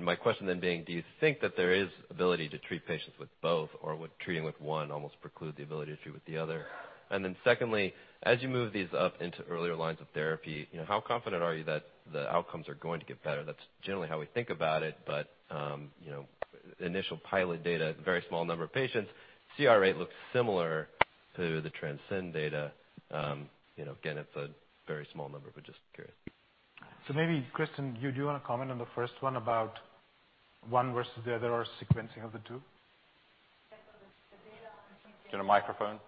My question then being, do you think that there is ability to treat patients with both, or would treating with one almost preclude the ability to treat with the other? Secondly, as you move these up into earlier lines of therapy, how confident are you that the outcomes are going to get better? That's generally how we think about it. Initial pilot data, very small number of patients, CR rate looks similar to the TRANSCEND data. Again, it's a very small number, but just curious. Maybe Kristen, do you want to comment on the first one about one versus the other, or sequencing of the two? Is there a microphone?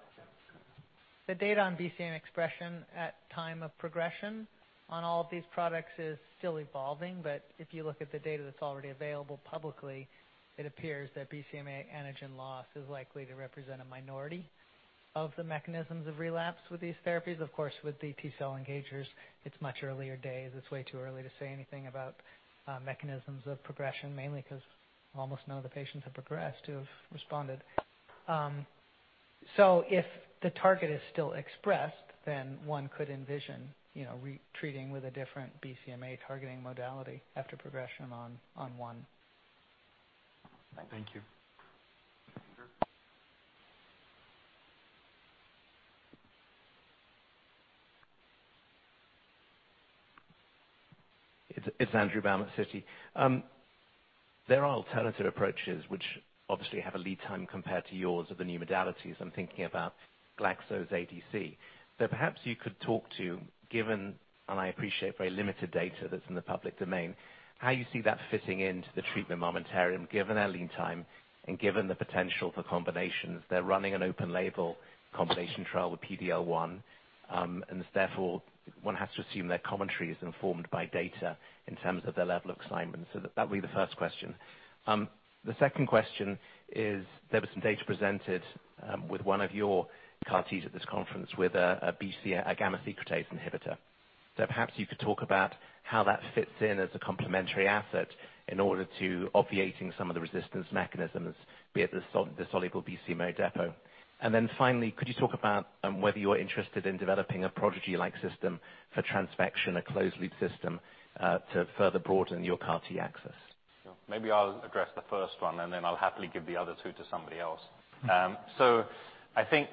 The data on BCMA expression at time of progression on all of these products is still evolving. If you look at the data that's already available publicly, it appears that BCMA antigen loss is likely to represent a minority of the mechanisms of relapse with these therapies. Of course, with the T-cell engagers, it's much earlier days. It's way too early to say anything about mechanisms of progression, mainly because almost none of the patients have progressed who have responded. If the target is still expressed, then one could envision treating with a different BCMA targeting modality after progression on one. Thank you. Andrew? It's Andrew Baum of Citi. There are alternative approaches which obviously have a lead time compared to yours of the new modalities. I'm thinking about Glaxo's ADC. Perhaps you could talk to, given, and I appreciate very limited data that's in the public domain, how you see that fitting into the treatment armamentarium, given our lead time and given the potential for combinations. They're running an open label combination trial with PD-L1, and therefore one has to assume their commentary is informed by data in terms of their level of excitement. That'd be the first question. The second question is there was some data presented with one of your CAR T's at this conference with a BCMA gamma secretase inhibitor. Perhaps you could talk about how that fits in as a complementary asset in order to obviating some of the resistance mechanisms, be it the soluble BCMA depot. Finally, could you talk about whether you're interested in developing a Prodigy-like system for transfection, a closed-loop system, to further broaden your CAR-T access? Maybe I'll address the first one, and then I'll happily give the other two to somebody else. I think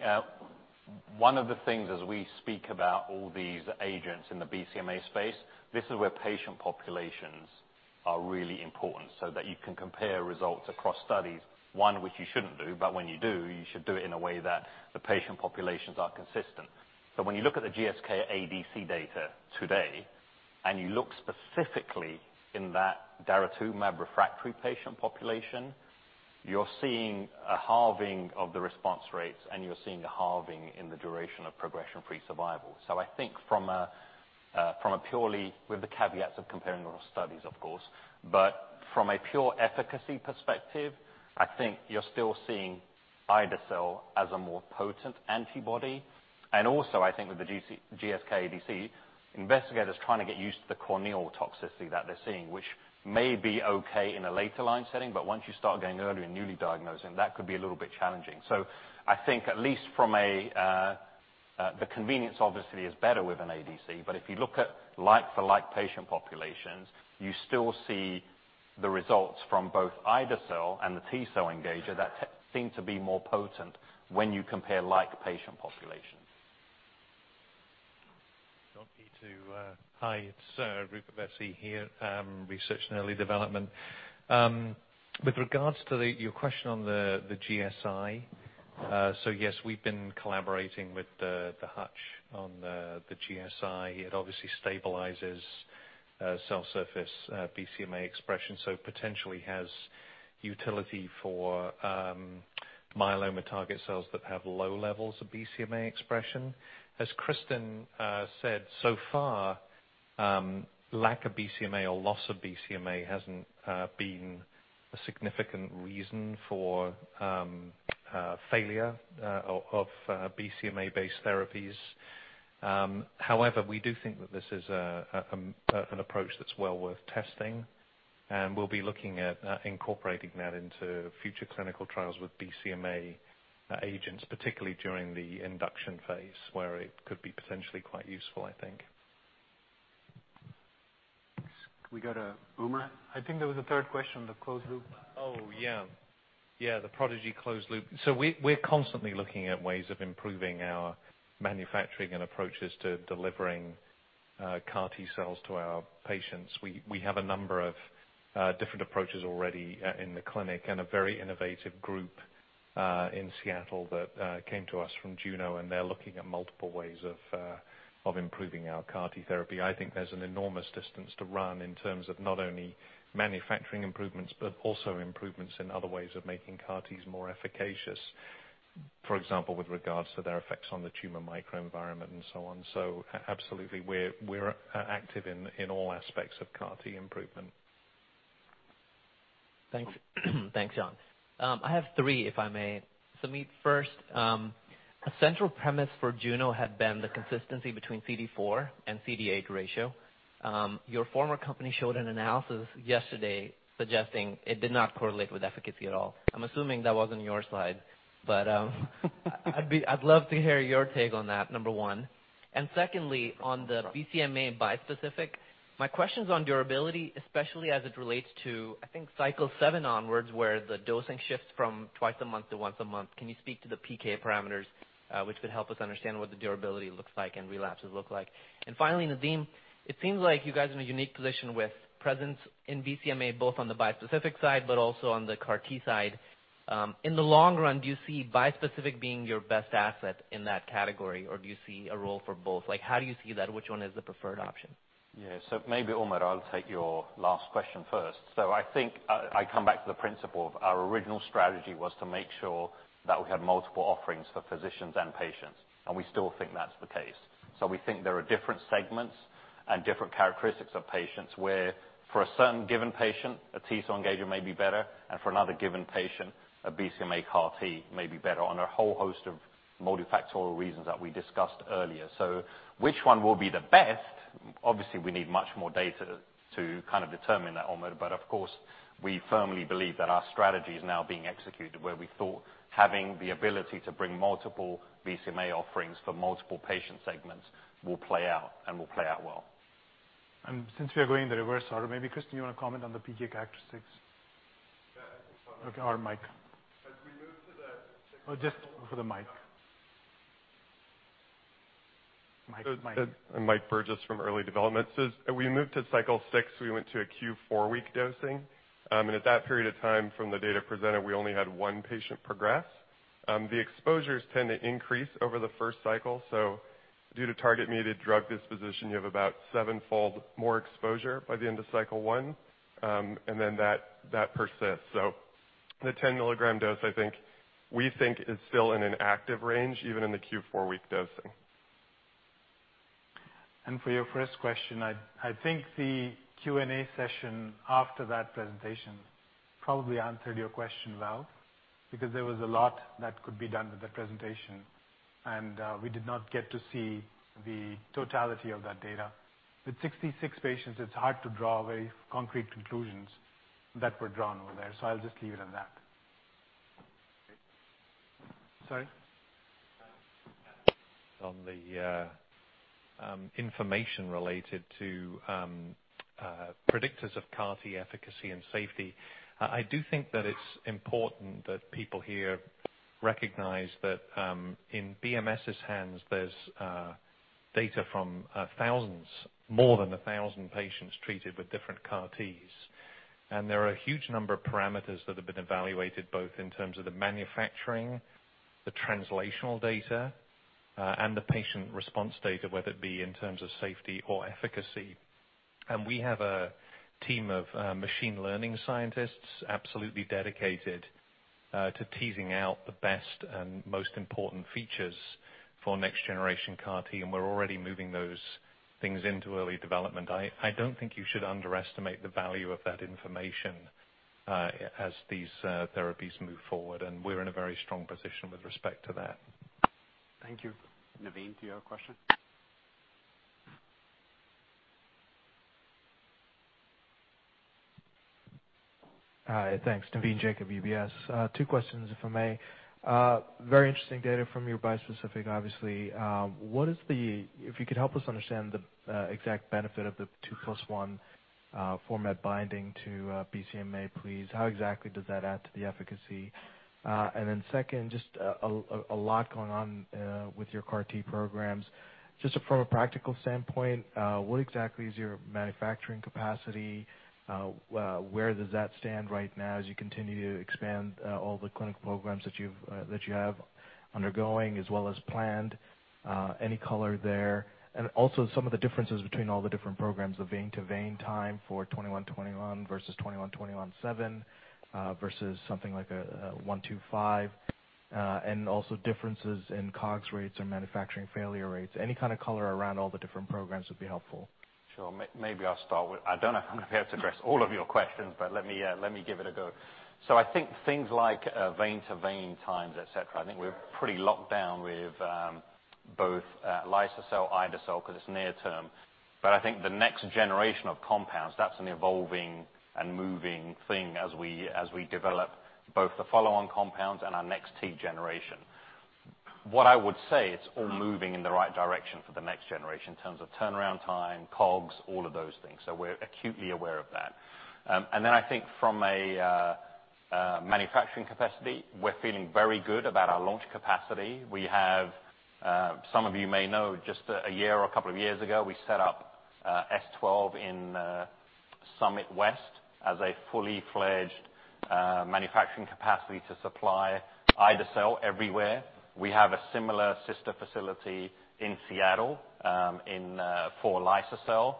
one of the things, as we speak about all these agents in the BCMA space, this is where patient populations are really important, so that you can compare results across studies. One, which you shouldn't do, but when you do, you should do it in a way that the patient populations are consistent. When you look at the GSK ADC data today, and you look specifically in that daratumumab refractory patient population, you're seeing a halving of the response rates and you're seeing a halving in the duration of progression-free survival. I think with the caveats of comparing real studies, of course, but from a pure efficacy perspective, I think you're still seeing ide-cel as a more potent antibody. I think with the GSK ADC, investigators trying to get used to the corneal toxicity that they're seeing, which may be okay in a later-line setting, but once you start going early- and newly-diagnosing, that could be a little bit challenging. I think the convenience obviously is better with an ADC, but if you look at like for like patient populations, you still see the results from both ide-cel and the T-cell engager that seem to be more potent when you compare like patient populations. Rup, you to- Hi, it's Rupert Vessey here, research and early development. With regards to your question on the GSI. Yes, we've been collaborating with the Hutch on the GSI. It obviously stabilizes cell surface BCMA expression, so potentially has utility for myeloma target cells that have low levels of BCMA expression. As Kristen said, so far, lack of BCMA or loss of BCMA hasn't been a significant reason for failure of BCMA-based therapies. We do think that this is an approach that's well worth testing, and we'll be looking at incorporating that into future clinical trials with BCMA agents, particularly during the induction phase, where it could be potentially quite useful, I think. We go to Umar. I think there was a third question, the closed loop. Yeah. The Prodigy closed loop. We're constantly looking at ways of improving our manufacturing and approaches to delivering CAR T cells to our patients. We have a number of different approaches already in the clinic and a very innovative group in Seattle that came to us from Juno, and they're looking at multiple ways of improving our CAR T therapy. I think there's an enormous distance to run in terms of not only manufacturing improvements, but also improvements in other ways of making CAR Ts more efficacious, for example, with regards to their effects on the tumor microenvironment and so on. Absolutely, we're active in all aspects of CAR T improvement. Thanks. Thanks, John. I have three, if I may. Samit, first, a central premise for Juno had been the consistency between CD4 and CD8 ratio. Your former company showed an analysis yesterday suggesting it did not correlate with efficacy at all. I'm assuming that wasn't your slide. I'd love to hear your take on that, number one. Secondly, on the BCMA bispecific, my question's on durability, especially as it relates to, I think cycle seven onwards, where the dosing shifts from twice a month to once a month. Can you speak to the PK parameters, which could help us understand what the durability looks like and relapses look like? Finally, Nadeem, it seems like you guys are in a unique position with presence in BCMA, both on the bispecific side, but also on the CAR T side. In the long run, do you see bispecific being your best asset in that category, or do you see a role for both? How do you see that? Which one is the preferred option? Yeah. Maybe, Umar, I'll take your last question first. I think I come back to the principle of our original strategy was to make sure that we had multiple offerings for physicians and patients, and we still think that's the case. We think there are different segments and different characteristics of patients where for a certain given patient, a T-cell engager may be better, and for another given patient, a BCMA CAR T may be better on a whole host of multifactorial reasons that we discussed earlier. Which one will be the best? Obviously, we need much more data to determine that, Umar. Of course, we firmly believe that our strategy is now being executed where we thought having the ability to bring multiple BCMA offerings for multiple patient segments will play out and will play out well. Since we are going in the reverse order, maybe Kristen, you want to comment on the PK characteristics? Okay, Mike. As we move to the- Oh, just for the mic. Mike? Mike Burgess from Early Development. As we moved to cycle 6, we went to a Q4W dosing. At that period of time, from the data presented, we only had one patient progress. The exposures tend to increase over the first cycle. Due to target-mediated drug disposition, you have about sevenfold more exposure by the end of cycle 1, and then that persists. The 10-mg dose, we think is still in an active range, even in the Q4W dosing. For your first question, I think the Q&A session after that presentation probably answered your question well, because there was a lot that could be done with the presentation, and we did not get to see the totality of that data. With 66 patients, it's hard to draw very concrete conclusions that were drawn over there. I'll just leave it at that. Sorry. On the information related to predictors of CART efficacy and safety, I do think that it's important that people here recognize that in BMS's hands, there's data from more than 1,000 patients treated with different CARTs. There are a huge number of parameters that have been evaluated, both in terms of the manufacturing, the translational data, and the patient response data, whether it be in terms of safety or efficacy. We have a team of machine learning scientists absolutely dedicated to teasing out the best and most important features for next generation CART, and we're already moving those things into early development. I don't think you should underestimate the value of that information as these therapies move forward, and we're in a very strong position with respect to that. Thank you. Navin, do you have a question? Hi. Thanks. Navin Jacob, UBS. Two questions, if I may. Very interesting data from your bispecific, obviously. If you could help us understand the exact benefit of the two plus one format binding to BCMA, please. How exactly does that add to the efficacy? Second, just a lot going on with your CAR T programs. Just from a practical standpoint, what exactly is your manufacturing capacity? Where does that stand right now as you continue to expand all the clinical programs that you have undergoing as well as planned? Any color there? Some of the differences between all the different programs, the vein-to-vein time for 2121 versus 21217, versus something like a 125. Differences in COGS rates or manufacturing failure rates. Any kind of color around all the different programs would be helpful. Sure. Maybe I'll start with I don't know if I'm going to be able to address all of your questions, but let me give it a go. I think things like vein-to-vein times, et cetera, I think we're pretty locked down with both liso-cel, ide-cel because it's near term. I think the next generation of compounds, that's an evolving and moving thing as we develop both the follow-on compounds and our next T generation. What I would say, it's all moving in the right direction for the next generation in terms of turnaround time, COGS, all of those things. We're acutely aware of that. I think from a manufacturing capacity, we're feeling very good about our launch capacity. Some of you may know, just a year or a couple of years ago, we set up S12 in Summit West as a fully fledged manufacturing capacity to supply ide-cel everywhere. We have a similar sister facility in Seattle for liso-cel.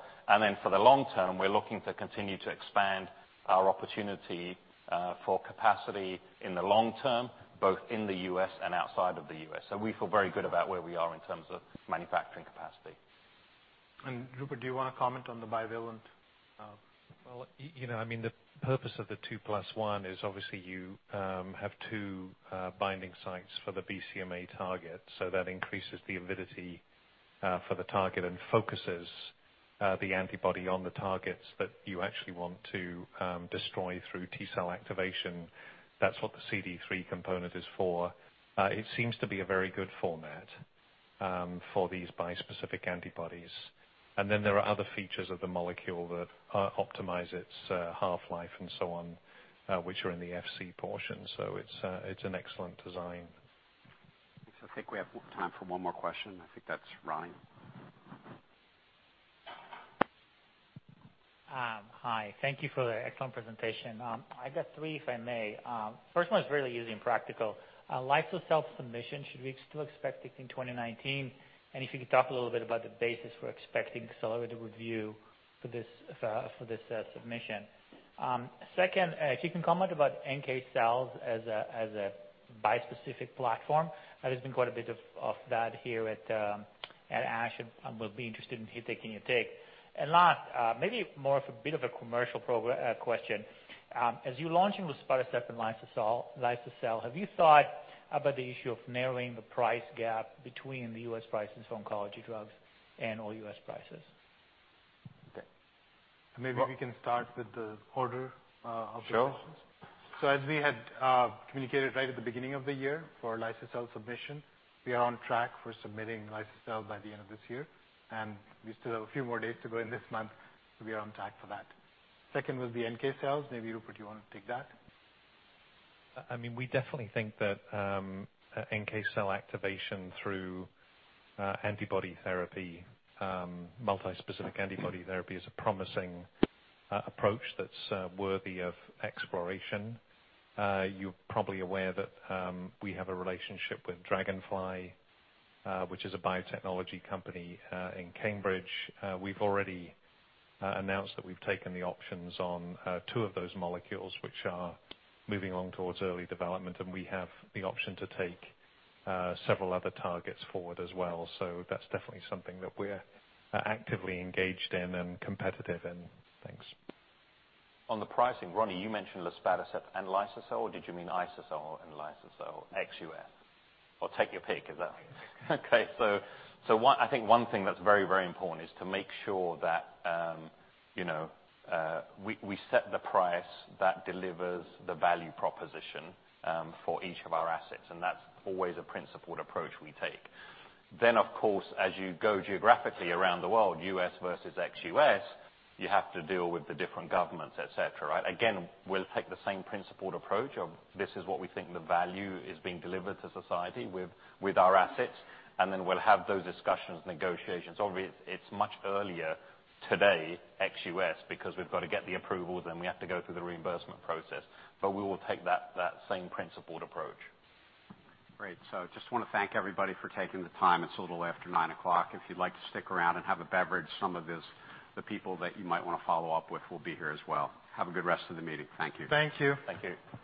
For the long term, we're looking to continue to expand our opportunity for capacity in the long term, both in the U.S. and outside of the U.S. We feel very good about where we are in terms of manufacturing capacity. Rupert, do you want to comment on the bivalent? Well, the purpose of the two plus one is obviously you have two binding sites for the BCMA target, so that increases the avidity for the target and focuses the antibody on the targets that you actually want to destroy through T-cell activation. That's what the CD3 component is for. It seems to be a very good format for these bispecific antibodies. There are other features of the molecule that optimize its half-life and so on, which are in the Fc portion. It's an excellent design. I think we have time for one more question. I think that's Ronnie. Hi. Thank you for the excellent presentation. I got three, if I may. First one is really easy and practical. liso-cel submission, should we still expect it in 2019? If you could talk a little bit about the basis for expecting accelerated review for this submission. Second, if you can comment about NK cells as a bispecific platform. There's been quite a bit of that here at ASH, and we'll be interested in taking a take. Last, maybe more of a bit of a commercial question. As you're launching with liso-cel, have you thought about the issue of narrowing the price gap between the U.S. prices on oncology drugs and all U.S. prices? Okay. Maybe we can start with the order of questions. Sure. As we had communicated right at the beginning of the year for liso-cel submission, we are on track for submitting liso-cel by the end of this year. We still have a few more days to go in this month. We are on track for that. Second would be NK cells. Maybe, Rupert, you want to take that? We definitely think that NK cell activation through antibody therapy, multi-specific antibody therapy, is a promising approach that's worthy of exploration. You're probably aware that we have a relationship with Dragonfly Therapeutics, which is a biotechnology company in Cambridge. We've already announced that we've taken the options on two of those molecules, which are moving along towards early development, and we have the option to take several other targets forward as well. That's definitely something that we're actively engaged in and competitive in. Thanks. On the pricing, Ronnie, you mentioned luspatercept and liso-cel, or did you mean ide-cel and liso-cel, ex-U.S.? Take your pick. Is that. Okay? I think one thing that's very important is to make sure that we set the price that delivers the value proposition for each of our assets, and that's always a principled approach we take. Of course, as you go geographically around the world, U.S. versus ex-U.S., you have to deal with the different governments, et cetera, right? Again, we'll take the same principled approach of this is what we think the value is being delivered to society with our assets, and then we'll have those discussions and negotiations. Obviously, it's much earlier today, ex-U.S., because we've got to get the approvals and we have to go through the reimbursement process. We will take that same principled approach. Great. Just want to thank everybody for taking the time. It's a little after 9:00 AM. If you'd like to stick around and have a beverage, some of the people that you might want to follow up with will be here as well. Have a good rest of the meeting. Thank you. Thank you. Thank you.